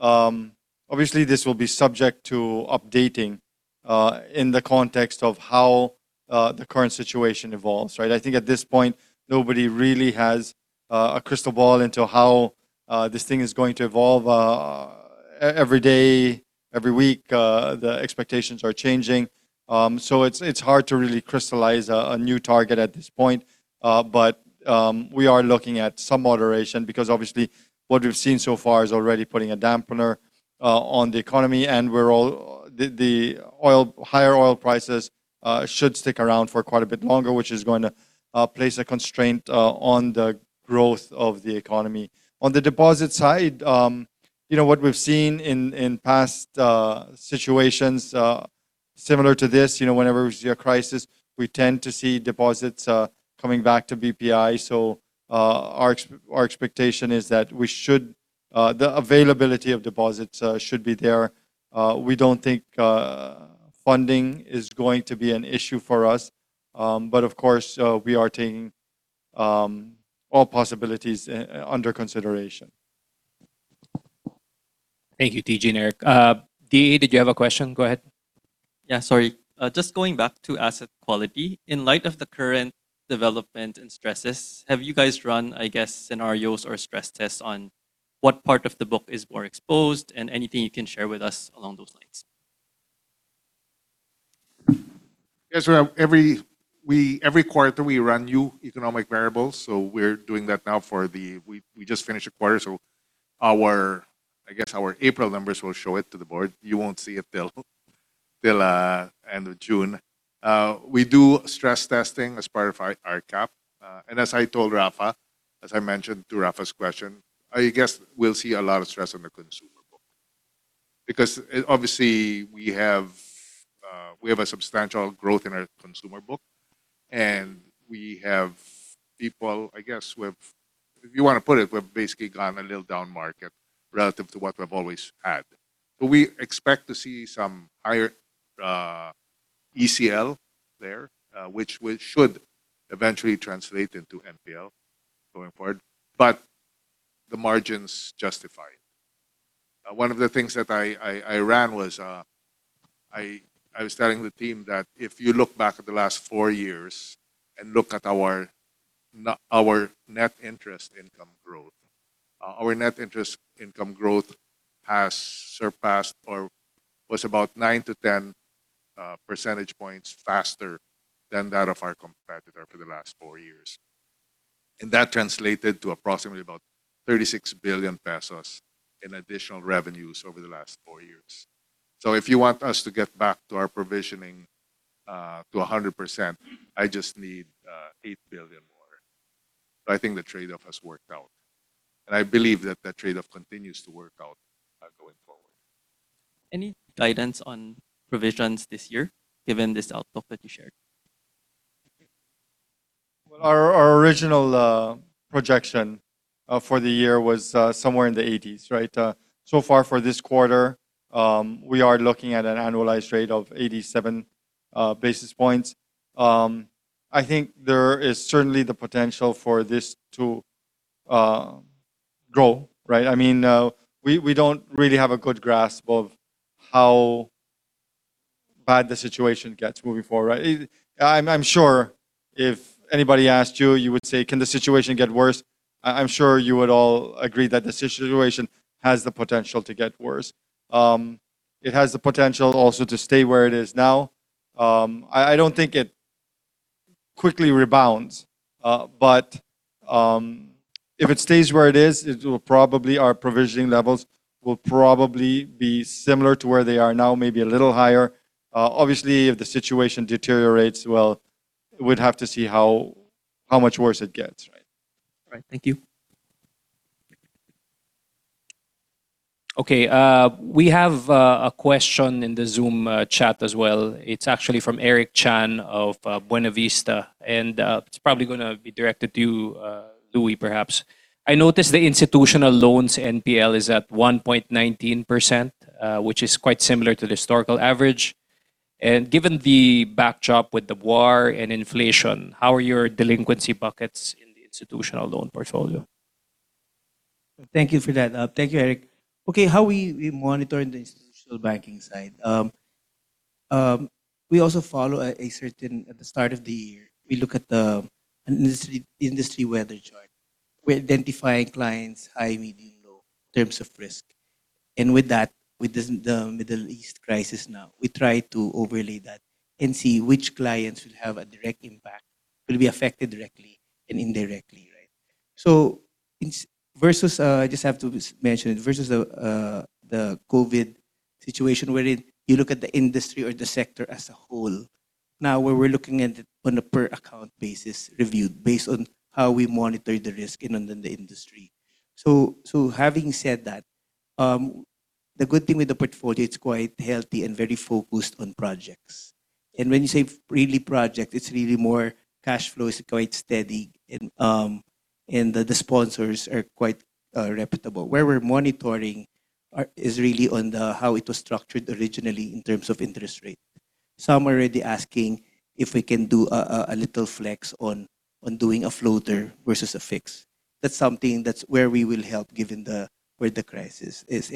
Obviously, this will be subject to updating in the context of how the current situation evolves. Right. I think at this point, nobody really has a crystal ball into how this thing is going to evolve. Every day, every week, the expectations are changing. It's hard to really crystallize a new target at this point. We are looking at some moderation because obviously what we've seen so far is already putting a dampener on the economy, and the higher oil prices should stick around for quite a bit longer, which is going to place a constraint on the growth of the economy. On the deposit side, what we've seen in past situations similar to this, whenever there's a crisis, we tend to see deposits coming back to BPI. Our expectation is that the availability of deposits should be there. We don't think funding is going to be an issue for us. Of course, we are taking all possibilities under consideration. Thank you, TG and Eric. Dee, did you have a question? Go ahead. Yeah. Sorry. Just going back to asset quality. In light of the current development and stresses, have you guys run, I guess, scenarios or stress tests on what part of the book is more exposed and anything you can share with us along those lines? Yes. Every quarter we run new economic variables, so we're doing that now. We just finished a quarter, so I guess our April numbers will show it to the board. You won't see it till end of June. We do stress testing as part of ICAAP. As I told Rafa, as I mentioned to Rafa's question, I guess we'll see a lot of stress on the consumer book. Because obviously, we have a substantial growth in our consumer book, and we have people, I guess, if you want to put it, we've basically gone a little down market relative to what we've always had. We expect to see some higher ECL there, which should eventually translate into NPL going forward. The margins justify it. One of the things that I ran was, I was telling the team that if you look back at the last four years and look at our net interest income growth, our net interest income growth has surpassed or was about 9-10 percentage points faster than that of our competitor for the last four years. That translated to approximately about 36 billion pesos in additional revenues over the last four years. If you want us to get back to our provisioning to 100%, I just need 8 billion more. I think the trade-off has worked out, and I believe that trade-off continues to work out going forward. Any guidance on provisions this year given this outlook that you shared? Well, our original projection for the year was somewhere in the 80s basis points, right? So far for this quarter, we are looking at an annualized rate of 87 basis points. I think there is certainly the potential for this to grow, right? We don't really have a good grasp of how bad the situation gets moving forward. I'm sure if anybody asked you would say, "Can the situation get worse?" I'm sure you would all agree that the situation has the potential to get worse. It has the potential also to stay where it is now. I don't think it quickly rebounds. If it stays where it is, our provisioning levels will probably be similar to where they are now, maybe a little higher. Obviously, if the situation deteriorates, well, we'd have to see how much worse it gets. Right. Thank you. Okay. We have a question in the Zoom chat as well. It's actually from Eric Chan of Buenavista, and it's probably going to be directed to you, Luis, perhaps. I noticed the institutional loans NPL is at 1.19%, which is quite similar to the historical average. Given the backdrop with the war and inflation, how are your delinquency buckets in the institutional loan portfolio? Thank you for that. Thank you, Eric. Okay, how we monitor in the Institutional Banking side. We also follow a certain, at the start of the year, we look at the industry weather chart. We're identifying clients high, medium, low in terms of risk. With that, with the Middle East crisis now, we try to overlay that and see which clients will have a direct impact, will be affected directly and indirectly, right? I just have to mention, versus the COVID situation wherein you look at the industry or the sector as a whole. Now, where we're looking at it on a per account basis review, based on how we monitor the risk in the industry. Having said that, the good thing with the portfolio, it's quite healthy and very focused on projects. When you say real estate project, it's really more cash flow is quite steady, and the sponsors are quite reputable. Where we're monitoring is really on how it was structured originally in terms of interest rate. Some are already asking if we can do a little flex on doing a floater versus a fixed. That's something that's where we will help given where the crisis is.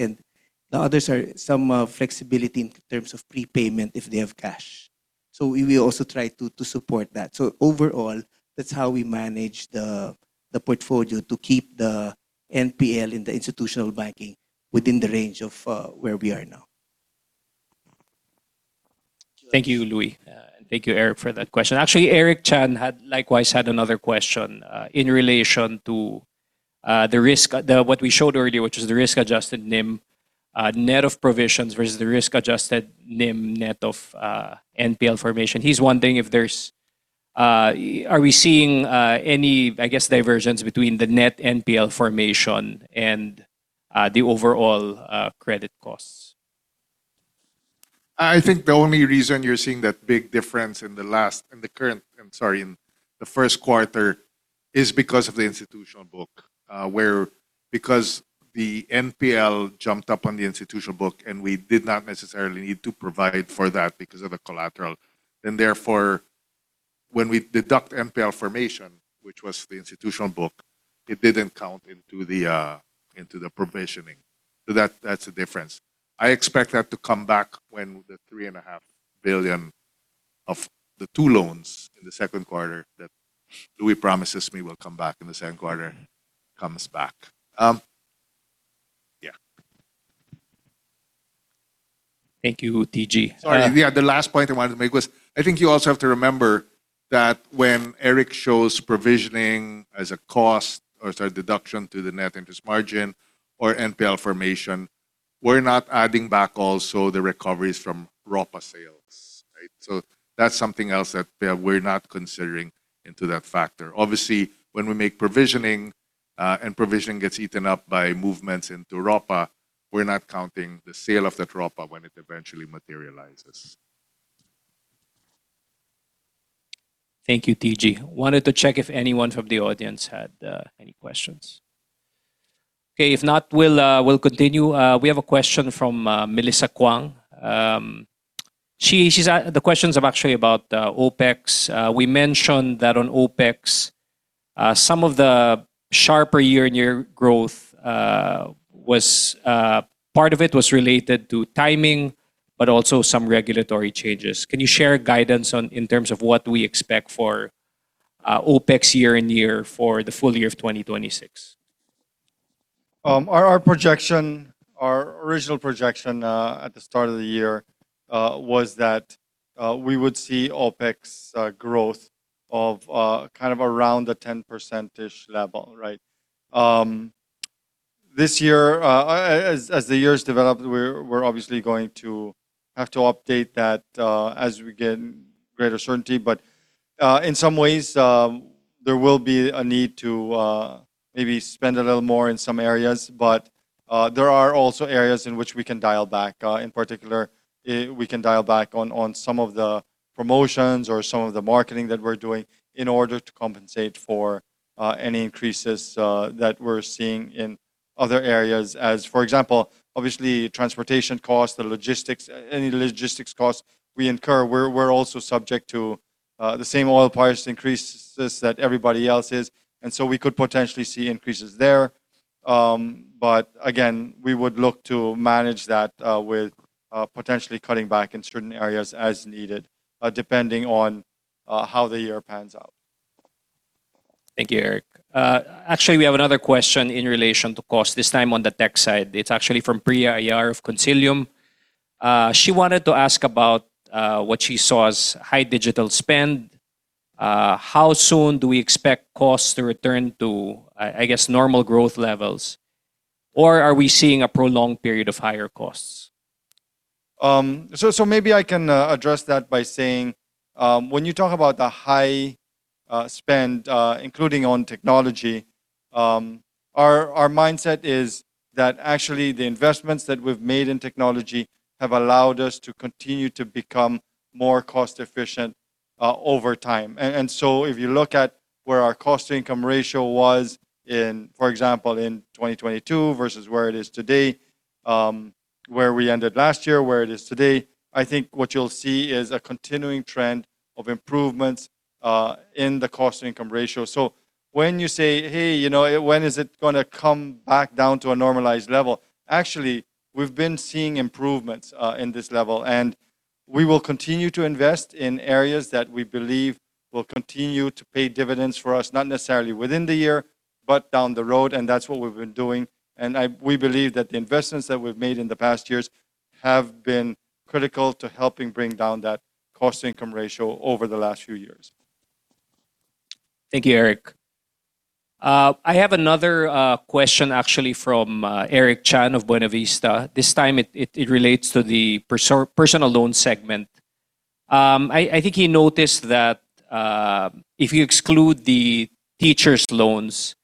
The others are some flexibility in terms of prepayment if they have cash. We will also try to support that. Overall, that's how we manage the portfolio to keep the NPL in the Institutional Banking within the range of where we are now. Thank you, Luis. Thank you, Eric, for that question. Actually, Eric Chan had likewise another question in relation to what we showed earlier, which was the risk-adjusted NIM net of provisions versus the risk-adjusted NIM net of NPL formation. He's wondering are we seeing any, I guess, divergences between the net NPL formation and the overall credit costs? I think the only reason you're seeing that big difference in the first quarter is because of the institutional book, where because the NPL jumped up on the institutional book, and we did not necessarily need to provide for that because of the collateral, and therefore when we deduct NPL formation, which was the institutional book, it didn't count into the provisioning. That's the difference. I expect that to come back when the 3.5 billion of the two loans in the second quarter, that Luis promises me will come back in the second quarter, comes back. Yeah. Thank you, TG. Sorry. Yeah, the last point I wanted to make was, I think you also have to remember that when Eric shows provisioning as a cost, or sorry, deduction to the net interest margin or NPL formation, we're not adding back also the recoveries from ROPA sales. Right? That's something else that we're not considering into that factor. Obviously, when we make provisioning, and provision gets eaten up by movements into ROPA, we're not counting the sale of that ROPA when it eventually materializes. Thank you, TG. I wanted to check if anyone from the audience had any questions. Okay, if not, we'll continue. We have a question from Melissa Kwong. The question's actually about OPEX. We mentioned that on OPEX, some of the sharper year-on-year growth, part of it was related to timing, but also some regulatory changes. Can you share guidance in terms of what we expect for OPEX year-on-year for the full year of 2026? Our original projection at the start of the year was that we would see OPEX growth of around the 10%-ish level, right? This year, as the years developed, we're obviously going to have to update that as we get greater certainty. In some ways, there will be a need to maybe spend a little more in some areas. There are also areas in which we can dial back. In particular, we can dial back on some of the promotions or some of the marketing that we're doing in order to compensate for any increases that we're seeing in other areas. As, for example, obviously, transportation costs, the logistics, any logistics costs we incur, we're also subject to the same oil price increases that everybody else is. We could potentially see increases there. Again, we would look to manage that with potentially cutting back in certain areas as needed, depending on how the year pans out. Thank you, Eric. Actually, we have another question in relation to cost, this time on the tech side. It's actually from Priya Iyer of Consilium. She wanted to ask about what she saw as high digital spend. How soon do we expect costs to return to, I guess, normal growth levels? Or are we seeing a prolonged period of higher costs? Maybe I can address that by saying, when you talk about the high spend, including on technology, our mindset is that actually, the investments that we've made in technology have allowed us to continue to become more cost efficient over time. If you look at where our cost to income ratio was in, for example, in 2022 versus where it is today, where we ended last year, where it is today, I think what you'll see is a continuing trend of improvements in the cost to income ratio. When you say, "Hey, when is it going to come back down to a normalized level?" Actually, we've been seeing improvements in this level, and we will continue to invest in areas that we believe will continue to pay dividends for us, not necessarily within the year, but down the road, and that's what we've been doing. We believe that the investments that we've made in the past years have been critical to helping bring down that cost to income ratio over the last few years. Thank you, Eric. I have another question actually from Eric Chan of Buenavista. This time it relates to the personal loan segment. I think he noticed that if you exclude the teachers loans,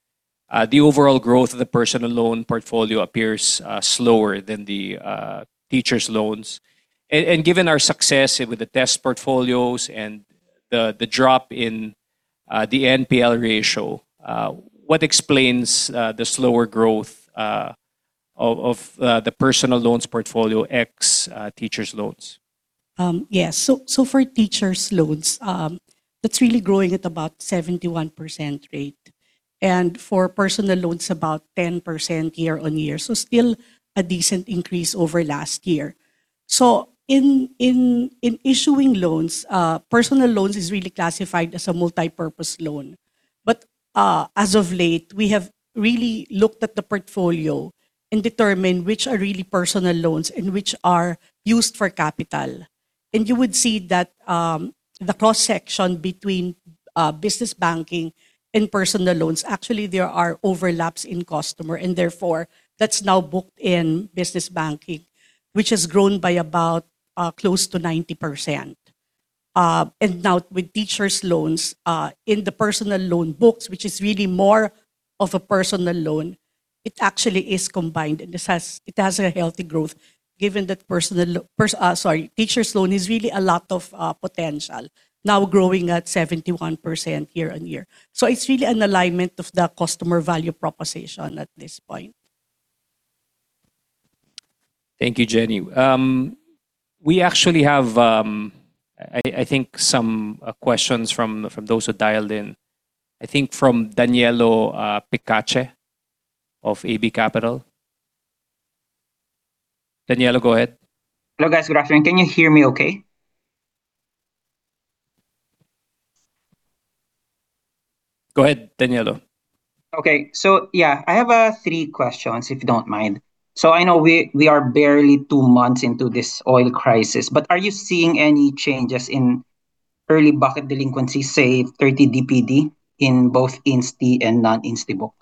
the overall growth of the personal loan portfolio appears slower than the teachers loans. Given our success with the test portfolios and the drop in the NPL ratio, what explains the slower growth of the personal loans portfolio ex teachers loans? Yes. For teachers loans, that's really growing at about 71% rate. For personal loans, about 10% year-over-year. Still a decent increase over last year. In issuing loans, personal loans is really classified as a multipurpose loan. As of late, we have really looked at the portfolio and determined which are really personal loans and which are used for capital. You would see that the cross-section between business banking and personal loans, actually, there are overlaps in customer, and therefore, that's now booked in business banking, which has grown by about close to 90%. Now with teachers loans, in the personal loan books, which is really more of a personal loan, it actually is combined. It has a healthy growth given that teachers loan has really a lot of potential now growing at 71% year-over-year. It's really an alignment of the customer value proposition at this point. Thank you, Jenny. We actually have, I think, some questions from those who dialed in. I think from Danilo Picache of AB Capital. Danilo, go ahead. Hello, guys. Good afternoon. Can you hear me okay? Go ahead, Danilo. Okay. Yeah, I have three questions if you don't mind. I know we are barely two months into this oil crisis, but are you seeing any changes in early bucket delinquency, say, 30 DPD in both Insti and non-Insti book?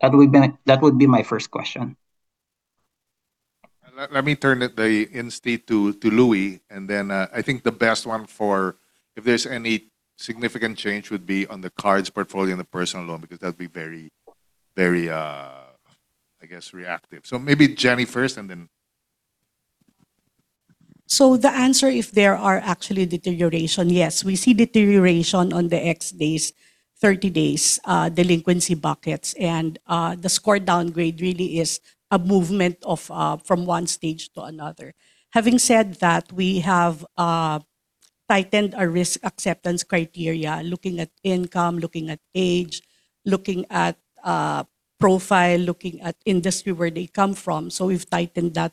That would be my first question. Let me turn it over to Luis, and then I think the best one for if there's any significant change would be on the cards portfolio and the personal loan, because that'd be very, I guess, reactive. Maybe Jenny first and then. The answer if there are actually deterioration, yes. We see deterioration on the 90 days, 30 days delinquency buckets. The score downgrade really is a movement from one stage to another. Having said that, we have tightened our risk acceptance criteria, looking at income, looking at age, looking at profile, looking at industry where they come from. We've tightened that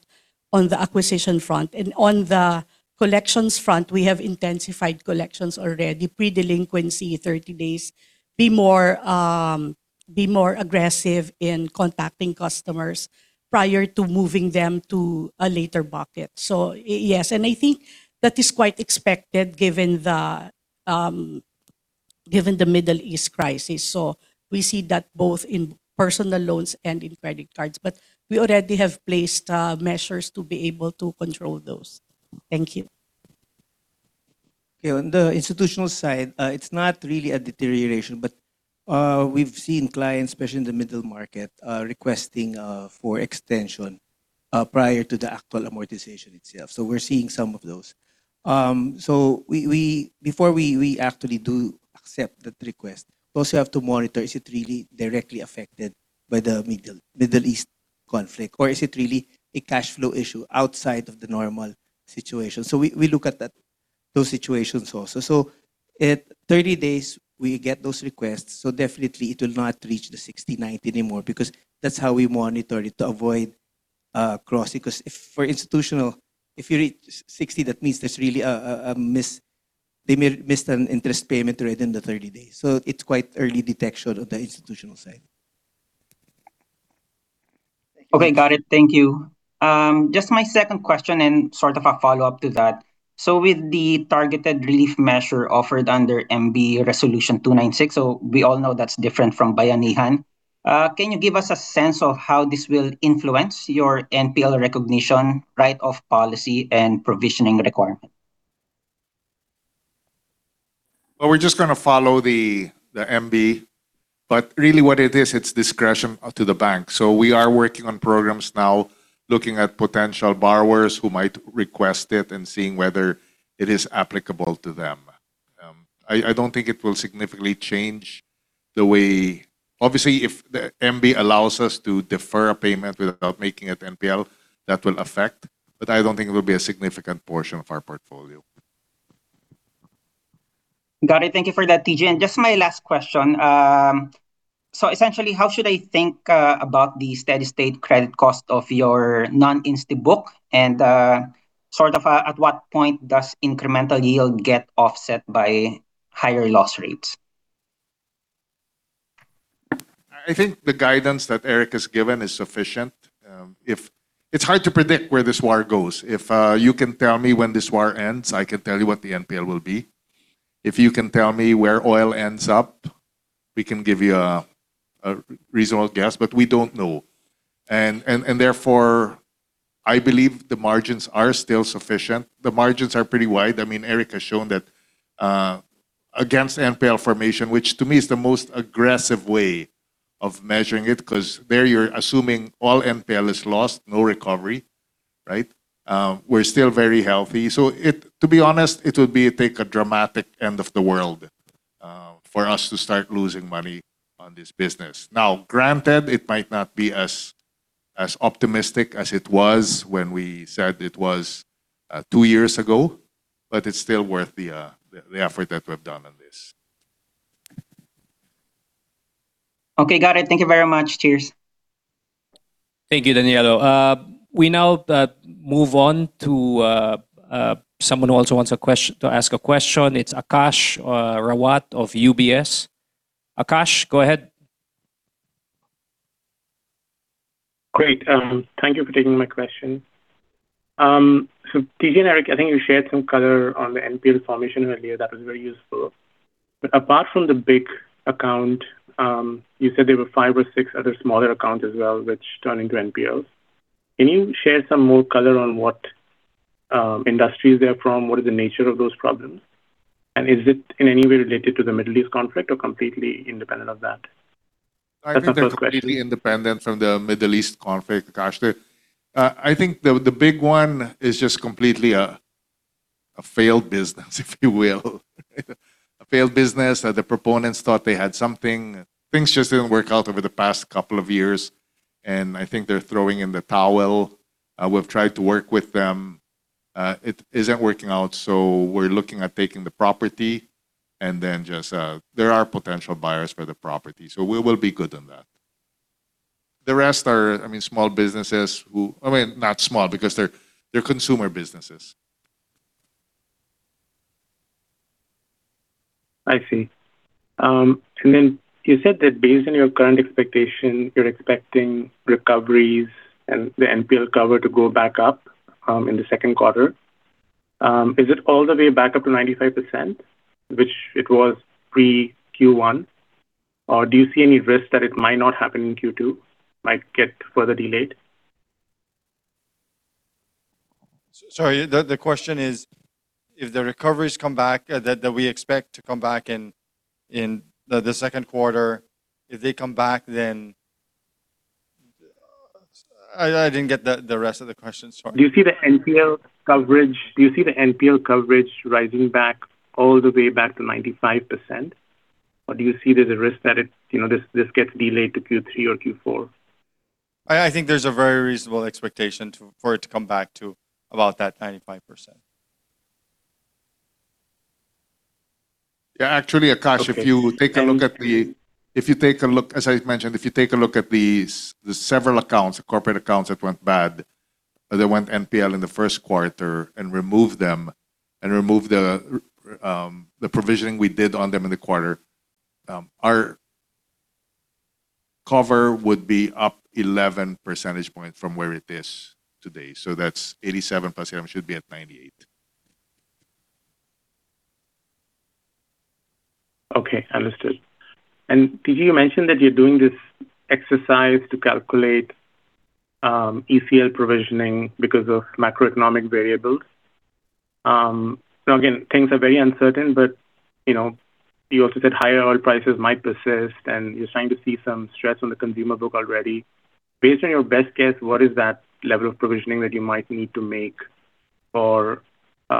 on the acquisition front. On the collections front, we have intensified collections already, pre-delinquency 30 days, be more aggressive in contacting customers prior to moving them to a later bucket. Yes. I think that is quite expected given the Middle East crisis. We see that both in personal loans and in credit cards. We already have placed measures to be able to control those. Thank you. Okay. On the institutional side, it's not really a deterioration, but we've seen clients, especially in the middle market, requesting for extension prior to the actual amortization itself. We're seeing some of those. Before we actually do accept that request, we also have to monitor, is it really directly affected by the Middle East conflict or is it really a cash flow issue outside of the normal situation? We look at those situations also. At 30 days, we get those requests. Definitely it will not reach the 60, 90 anymore because that's how we monitor it to avoid crossing. Because for institutional, if you reach 60, that means they missed an interest payment within the 30 days. It's quite early detection on the institutional side. Okay, got it. Thank you. Just my second question and sort of a follow-up to that. With the targeted relief measure offered under MB Resolution 296, we all know that's different from Bayanihan. Can you give us a sense of how this will influence your NPL recognition, right, of policy and provisioning requirement? Well, we're just going to follow the MB. Really what it is, it's discretion to the bank. We are working on programs now, looking at potential borrowers who might request it and seeing whether it is applicable to them. I don't think it will significantly change the way. Obviously, if the MB allows us to defer a payment without making it NPL, that will affect, but I don't think it will be a significant portion of our portfolio. Got it. Thank you for that, TG. Just my last question. Essentially, how should I think about the steady state credit cost of your non-Insti book, and sort of at what point does incremental yield get offset by higher loss rates? I think the guidance that Eric has given is sufficient. It's hard to predict where this war goes. If you can tell me when this war ends, I can tell you what the NPL will be. If you can tell me where oil ends up, we can give you a reasonable guess. We don't know. Therefore, I believe the margins are still sufficient. The margins are pretty wide. Eric has shown that against NPL formation, which to me is the most aggressive way of measuring it, because there you're assuming all NPL is lost, no recovery, right? We're still very healthy. To be honest, it would take a dramatic end of the world for us to start losing money on this business. Now, granted, it might not be as optimistic as it was when we said it was two years ago, but it's still worth the effort that we've done on this. Okay, got it. Thank you very much. Cheers. Thank you, Danilo. We now move on to someone who also wants to ask a question. It's Aakash Rawat of UBS. Aakash, go ahead. Great. Thank you for taking my question. TG and Eric, I think you shared some color on the NPL formation earlier that was very useful. Apart from the big account, you said there were five or six other smaller accounts as well which turned into NPLs. Can you share some more color on what industries they're from? What is the nature of those problems? And is it in any way related to the Middle East conflict or completely independent of that? That's my first question. I think they're completely independent from the Middle East conflict, Aakash. I think the big one is just completely a failed business, if you will. A failed business that the proponents thought they had something. Things just didn't work out over the past couple of years, and I think they're throwing in the towel. We've tried to work with them. It isn't working out, so we're looking at taking the property, and then there are potential buyers for the property. We will be good on that. The rest are small businesses who I mean, not small, because they're consumer businesses I see. You said that based on your current expectation, you're expecting recoveries and the NPL cover to go back up in the second quarter. Is it all the way back up to 95%, which it was pre Q1, or do you see any risk that it might not happen in Q2, might get further delayed? Sorry, the question is, if the recoveries come back that we expect to come back in the second quarter, if they come back then. I didn't get the rest of the question, sorry. Do you see the NPL coverage rising back all the way back to 95%? Or do you see there's a risk that this gets delayed to Q3 or Q4? I think there's a very reasonable expectation for it to come back to about that 95%. Yeah. Actually, Aakash, as I mentioned, if you take a look at the several accounts, the corporate accounts that went bad, they went NPL in the first quarter and removed them and removed the provisioning we did on them in the quarter, our cover would be up 11 percentage points from where it is today. That's 87 plus 11, should be at 98. Okay. Understood. Did you mention that you're doing this exercise to calculate ECL provisioning because of macroeconomic variables? Again, things are very uncertain but you also said higher oil prices might persist and you're starting to see some stress on the consumer book already. Based on your best guess, what is that level of provisioning that you might need to make for the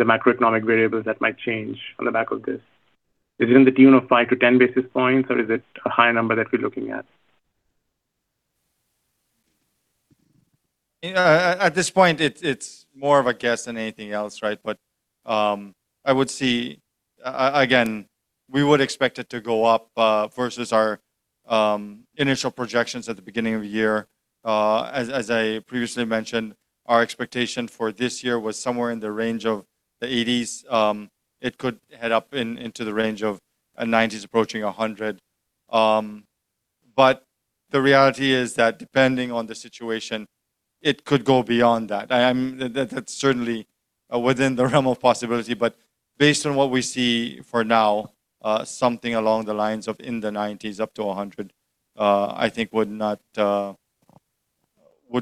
macroeconomic variables that might change on the back of this? Is it to the tune of 5-10 basis points, or is it a higher number that we're looking at? At this point, it's more of a guess than anything else, right? Again, we would expect it to go up, versus our initial projections at the beginning of the year. As I previously mentioned, our expectation for this year was somewhere in the range of the 80s. It could head up into the range of 90s approaching 100. The reality is that depending on the situation, it could go beyond that. That's certainly within the realm of possibility. Based on what we see for now, something along the lines of in the 90s up to 100, I think would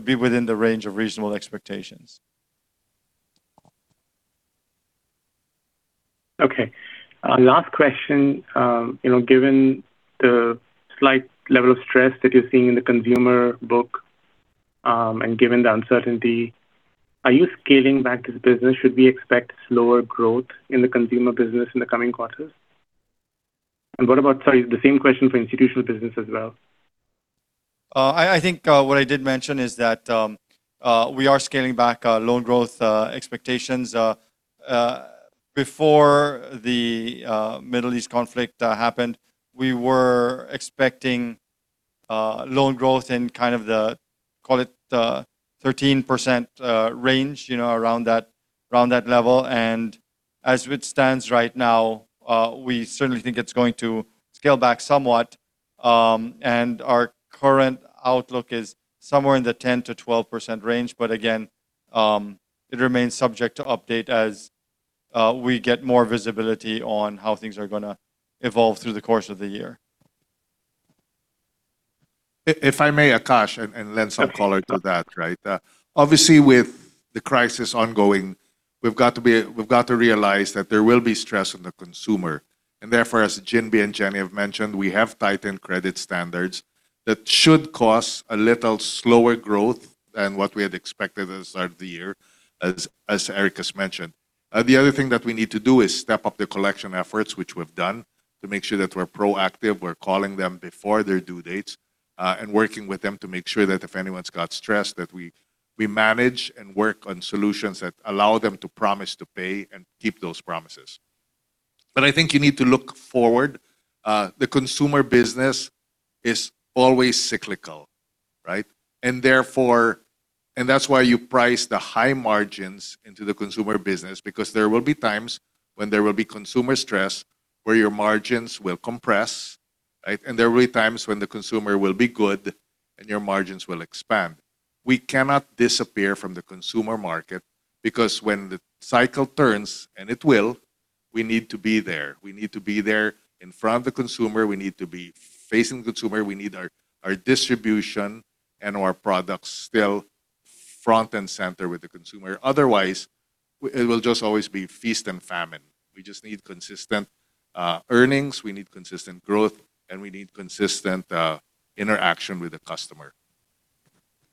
be within the range of reasonable expectations. Okay. Last question. Given the slight level of stress that you're seeing in the consumer book, and given the uncertainty, are you scaling back this business? Should we expect slower growth in the consumer business in the coming quarters? What about, sorry, the same question for institutional business as well. I think what I did mention is that we are scaling back loan growth expectations. Before the Middle East conflict happened, we were expecting loan growth in kind of the, call it, the 13% range, around that level. As it stands right now, we certainly think it's going to scale back somewhat. Our current outlook is somewhere in the 10%-12% range. Again, it remains subject to update as we get more visibility on how things are going to evolve through the course of the year. If I may, Aakash, and lend some color to that, right? Obviously, with the crisis ongoing, we've got to realize that there will be stress on the consumer. Therefore, as Ginbee and Jenny have mentioned, we have tightened credit standards that should cause a little slower growth than what we had expected at the start of the year, as Eric has mentioned. The other thing that we need to do is step up the collection efforts, which we've done, to make sure that we're proactive, we're calling them before their due dates, and working with them to make sure that if anyone's got stress, that we manage and work on solutions that allow them to promise to pay and keep those promises. I think you need to look forward. The consumer business is always cyclical, right? That's why you price the high margins into the consumer business, because there will be times when there will be consumer stress where your margins will compress, right? There will be times when the consumer will be good and your margins will expand. We cannot disappear from the consumer market because when the cycle turns, and it will, we need to be there. We need to be there in front of the consumer. We need to be facing the consumer. We need our distribution and our products still front and center with the consumer. Otherwise, it will just always be feast and famine. We just need consistent earnings, we need consistent growth, and we need consistent interaction with the customer.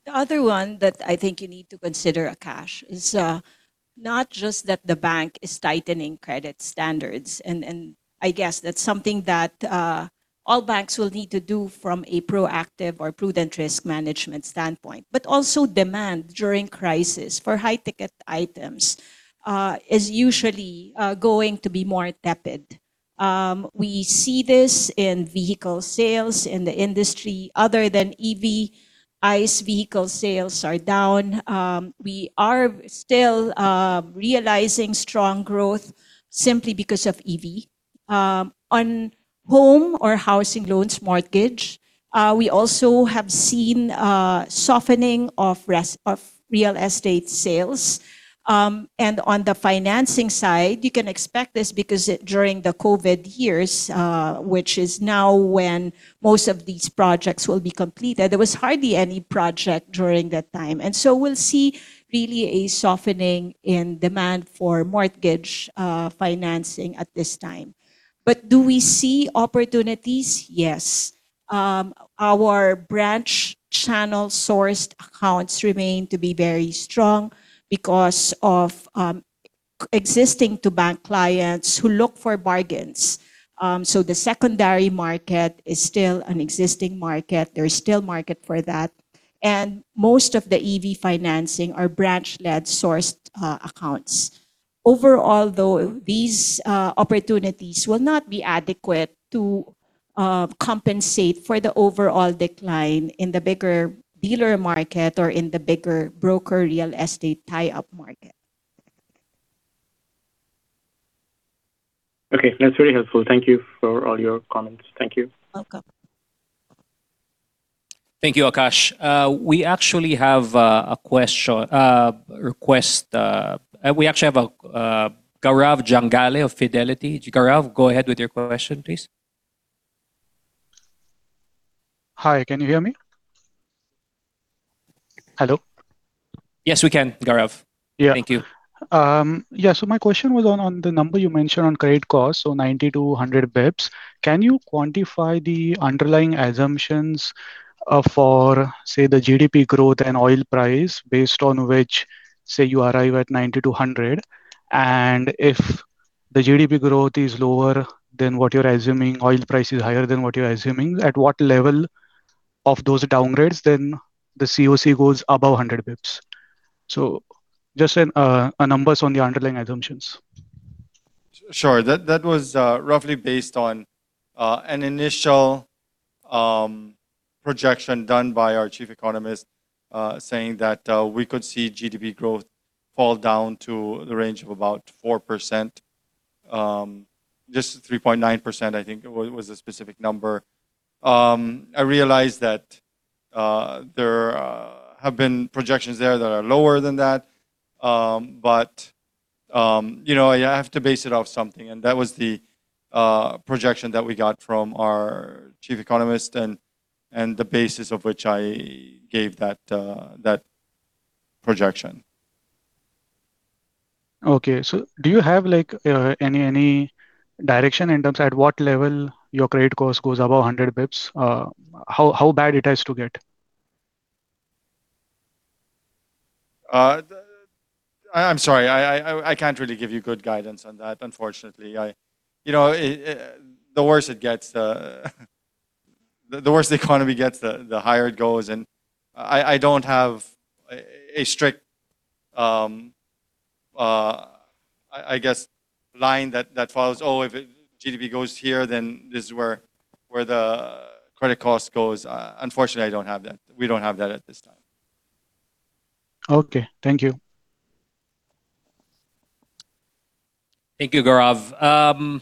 The other one that I think you need to consider, Aakash, is not just that the bank is tightening credit standards, and I guess that's something that all banks will need to do from a proactive or prudent risk management standpoint, but also demand during crisis for high-ticket items is usually going to be more tepid. We see this in vehicle sales in the industry other than EV. ICE vehicle sales are down. We are still realizing strong growth simply because of EV. On home or housing loans mortgage, we also have seen a softening of real estate sales. On the financing side, you can expect this because during the COVID years, which is now when most of these projects will be completed, there was hardly any project during that time. We'll see really a softening in demand for mortgage financing at this time. Do we see opportunities? Yes. Our branch channel sourced accounts remain to be very strong because of existing BPI clients who look for bargains. The secondary market is still an existing market. There is still market for that. Most of the EV financing are branch-led sourced accounts. Overall, though, these opportunities will not be adequate to compensate for the overall decline in the bigger dealer market or in the bigger broker real estate tie-up market. Okay. That's very helpful. Thank you for all your comments. Thank you. Welcome. Thank you, Aakash. We actually have a request. We actually have Gaurav Jangale of Fidelity. Gaurav, go ahead with your question, please. Hi, can you hear me? Hello? Yes, we can, Gaurav. Yeah. Thank you. Yeah. My question was on the number you mentioned on credit cost, so 90-100 basis points. Can you quantify the underlying assumptions for, say, the GDP growth and oil price based on which, say, you arrive at 90-100? If the GDP growth is lower than what you're assuming, oil price is higher than what you're assuming, at what level of those downgrades, then the COC goes above 100 basis points? Just numbers on the underlying assumptions. Sure. That was roughly based on an initial projection done by our chief economist, saying that we could see GDP growth fall down to the range of about 4%, just 3.9%, I think, was the specific number. I realize that there have been projections there that are lower than that. I have to base it off something, and that was the projection that we got from our chief economist and the basis of which I gave that projection. Okay. Do you have any direction in terms of what level your credit cost goes above 100 basis points, how bad it has to get? I'm sorry, I can't really give you good guidance on that, unfortunately. The worse the economy gets, the higher it goes, and I don't have a strict, I guess, line that follows, "Oh, if GDP goes here, then this is where the credit cost goes." Unfortunately, we don't have that at this time. Okay. Thank you. Thank you, Gaurav.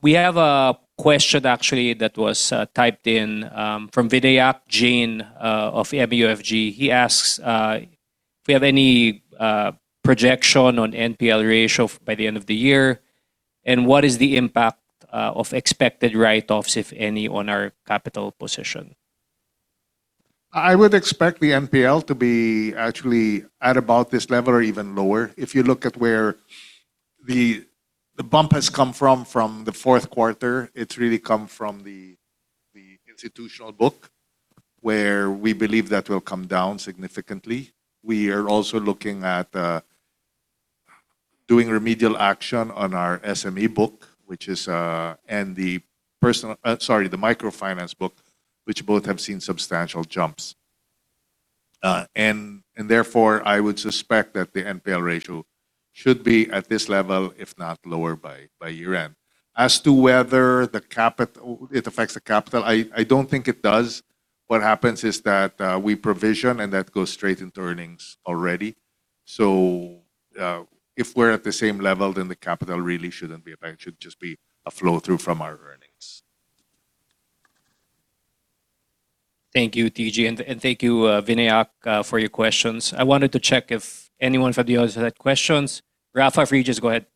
We have a question actually that was typed in from Vidhi Jain of MUFG. He asks if we have any projection on NPL ratio by the end of the year, and what is the impact of expected write-offs, if any, on our capital position. I would expect the NPL to be actually at about this level or even lower. If you look at where the bump has come from the fourth quarter, it's really come from the institutional book, where we believe that will come down significantly. We are also looking at doing remedial action on our SME book, and the microfinance book, which both have seen substantial jumps. Therefore, I would suspect that the NPL ratio should be at this level, if not lower by year-end. As to whether it affects the capital, I don't think it does. What happens is that we provision, and that goes straight into earnings already. If we're at the same level, then the capital really shouldn't be affected. It should just be a flow-through from our earnings. Thank you, TG. Thank you, Vidhi Jain, for your questions. I wanted to check if anyone from the others had questions. Rafa, go ahead.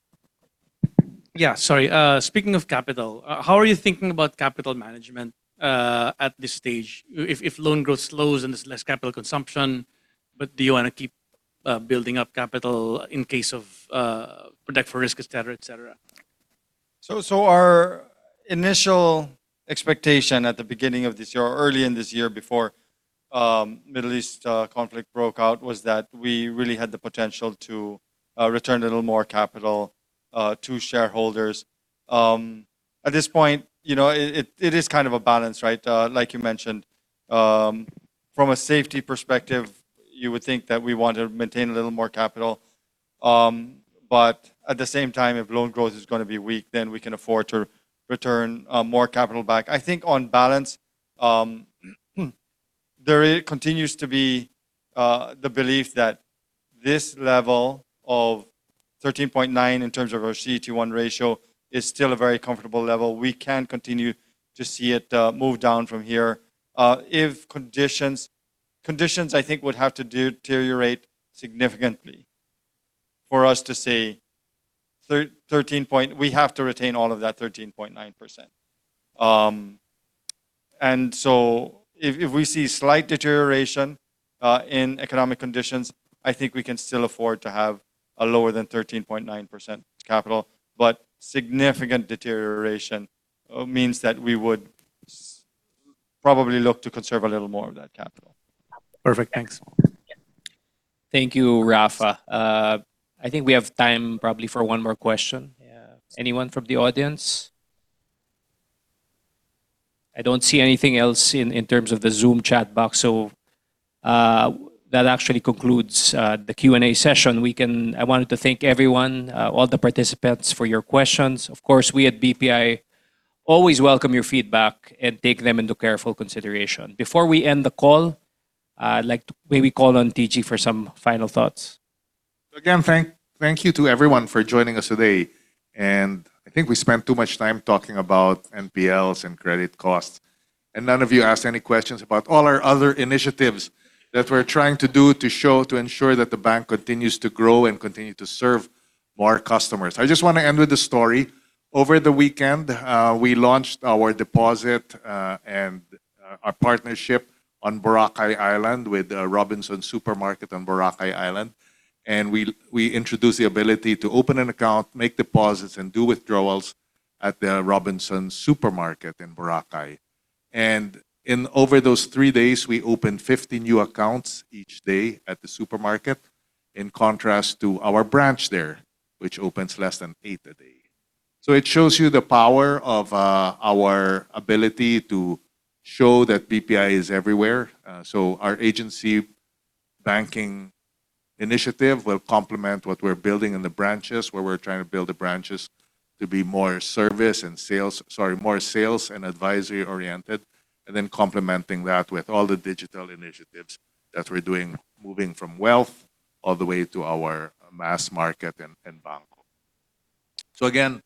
Yeah, sorry. Speaking of capital, how are you thinking about capital management at this stage? If loan growth slows and there's less capital consumption, but do you want to keep building up capital in case of protection for risk, et cetera, et cetera? Our initial expectation at the beginning of this year or early in this year before Middle East conflict broke out was that we really had the potential to return a little more capital to shareholders. At this point, it is kind of a balance, right? Like you mentioned. From a safety perspective, you would think that we want to maintain a little more capital. At the same time, if loan growth is going to be weak, then we can afford to return more capital back. I think on balance, there continues to be the belief that this level of 13.9% in terms of our CET1 ratio is still a very comfortable level. We can continue to see it move down from here. Conditions, I think, would have to deteriorate significantly for us to say we have to retain all of that 13.9%. If we see slight deterioration in economic conditions, I think we can still afford to have a lower than 13.9% capital. Significant deterioration means that we would probably look to conserve a little more of that capital. Perfect. Thanks. Yeah. Thank you, Rafa. I think we have time probably for one more question. Anyone from the audience? I don't see anything else in terms of the Zoom chat box. That actually concludes the Q&A session. I wanted to thank everyone, all the participants, for your questions. Of course, we at BPI always welcome your feedback and take them into careful consideration. Before we end the call, I'd like to maybe call on TG for some final thoughts. Again, thank you to everyone for joining us today, and I think we spent too much time talking about NPLs and credit costs, and none of you asked any questions about all our other initiatives that we're trying to do to ensure that the bank continues to grow and continue to serve more customers. I just want to end with a story. Over the weekend, we launched our deposit and our partnership on Boracay Island with Robinsons Supermarket on Boracay Island, and we introduced the ability to open an account, make deposits, and do withdrawals at the Robinsons Supermarket in Boracay. Over those three days, we opened 50 new accounts each day at the supermarket, in contrast to our branch there, which opens less than eight a day. It shows you the power of our ability to show that BPI is everywhere. Our agency banking initiative will complement what we're building in the branches, where we're trying to build the branches to be more sales and advisory oriented, and then complementing that with all the digital initiatives that we're doing, moving from wealth all the way to our mass market and BanKo. Again,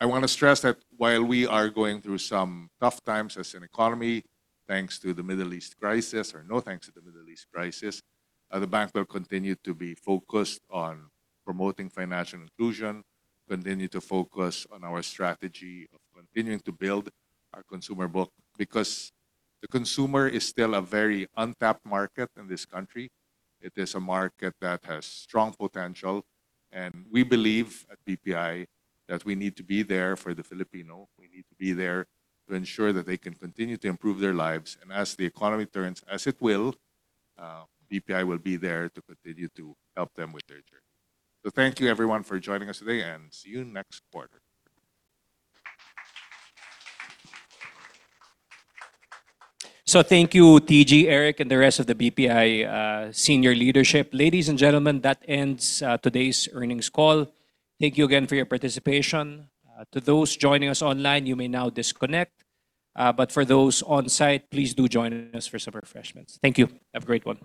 I want to stress that while we are going through some tough times as an economy, thanks to the Middle East crisis or no thanks to the Middle East crisis, the bank will continue to be focused on promoting financial inclusion, continue to focus on our strategy of continuing to build our consumer book, because the consumer is still a very untapped market in this country. It is a market that has strong potential, and we believe at BPI that we need to be there for the Filipino. We need to be there to ensure that they can continue to improve their lives. As the economy turns, as it will, BPI will be there to continue to help them with their journey. Thank you, everyone, for joining us today, and see you next quarter. Thank you, TG, Eric, and the rest of the BPI senior leadership. Ladies and gentlemen, that ends today's earnings call. Thank you again for your participation. To those joining us online, you may now disconnect. For those on-site, please do join us for some refreshments. Thank you. Have a great one.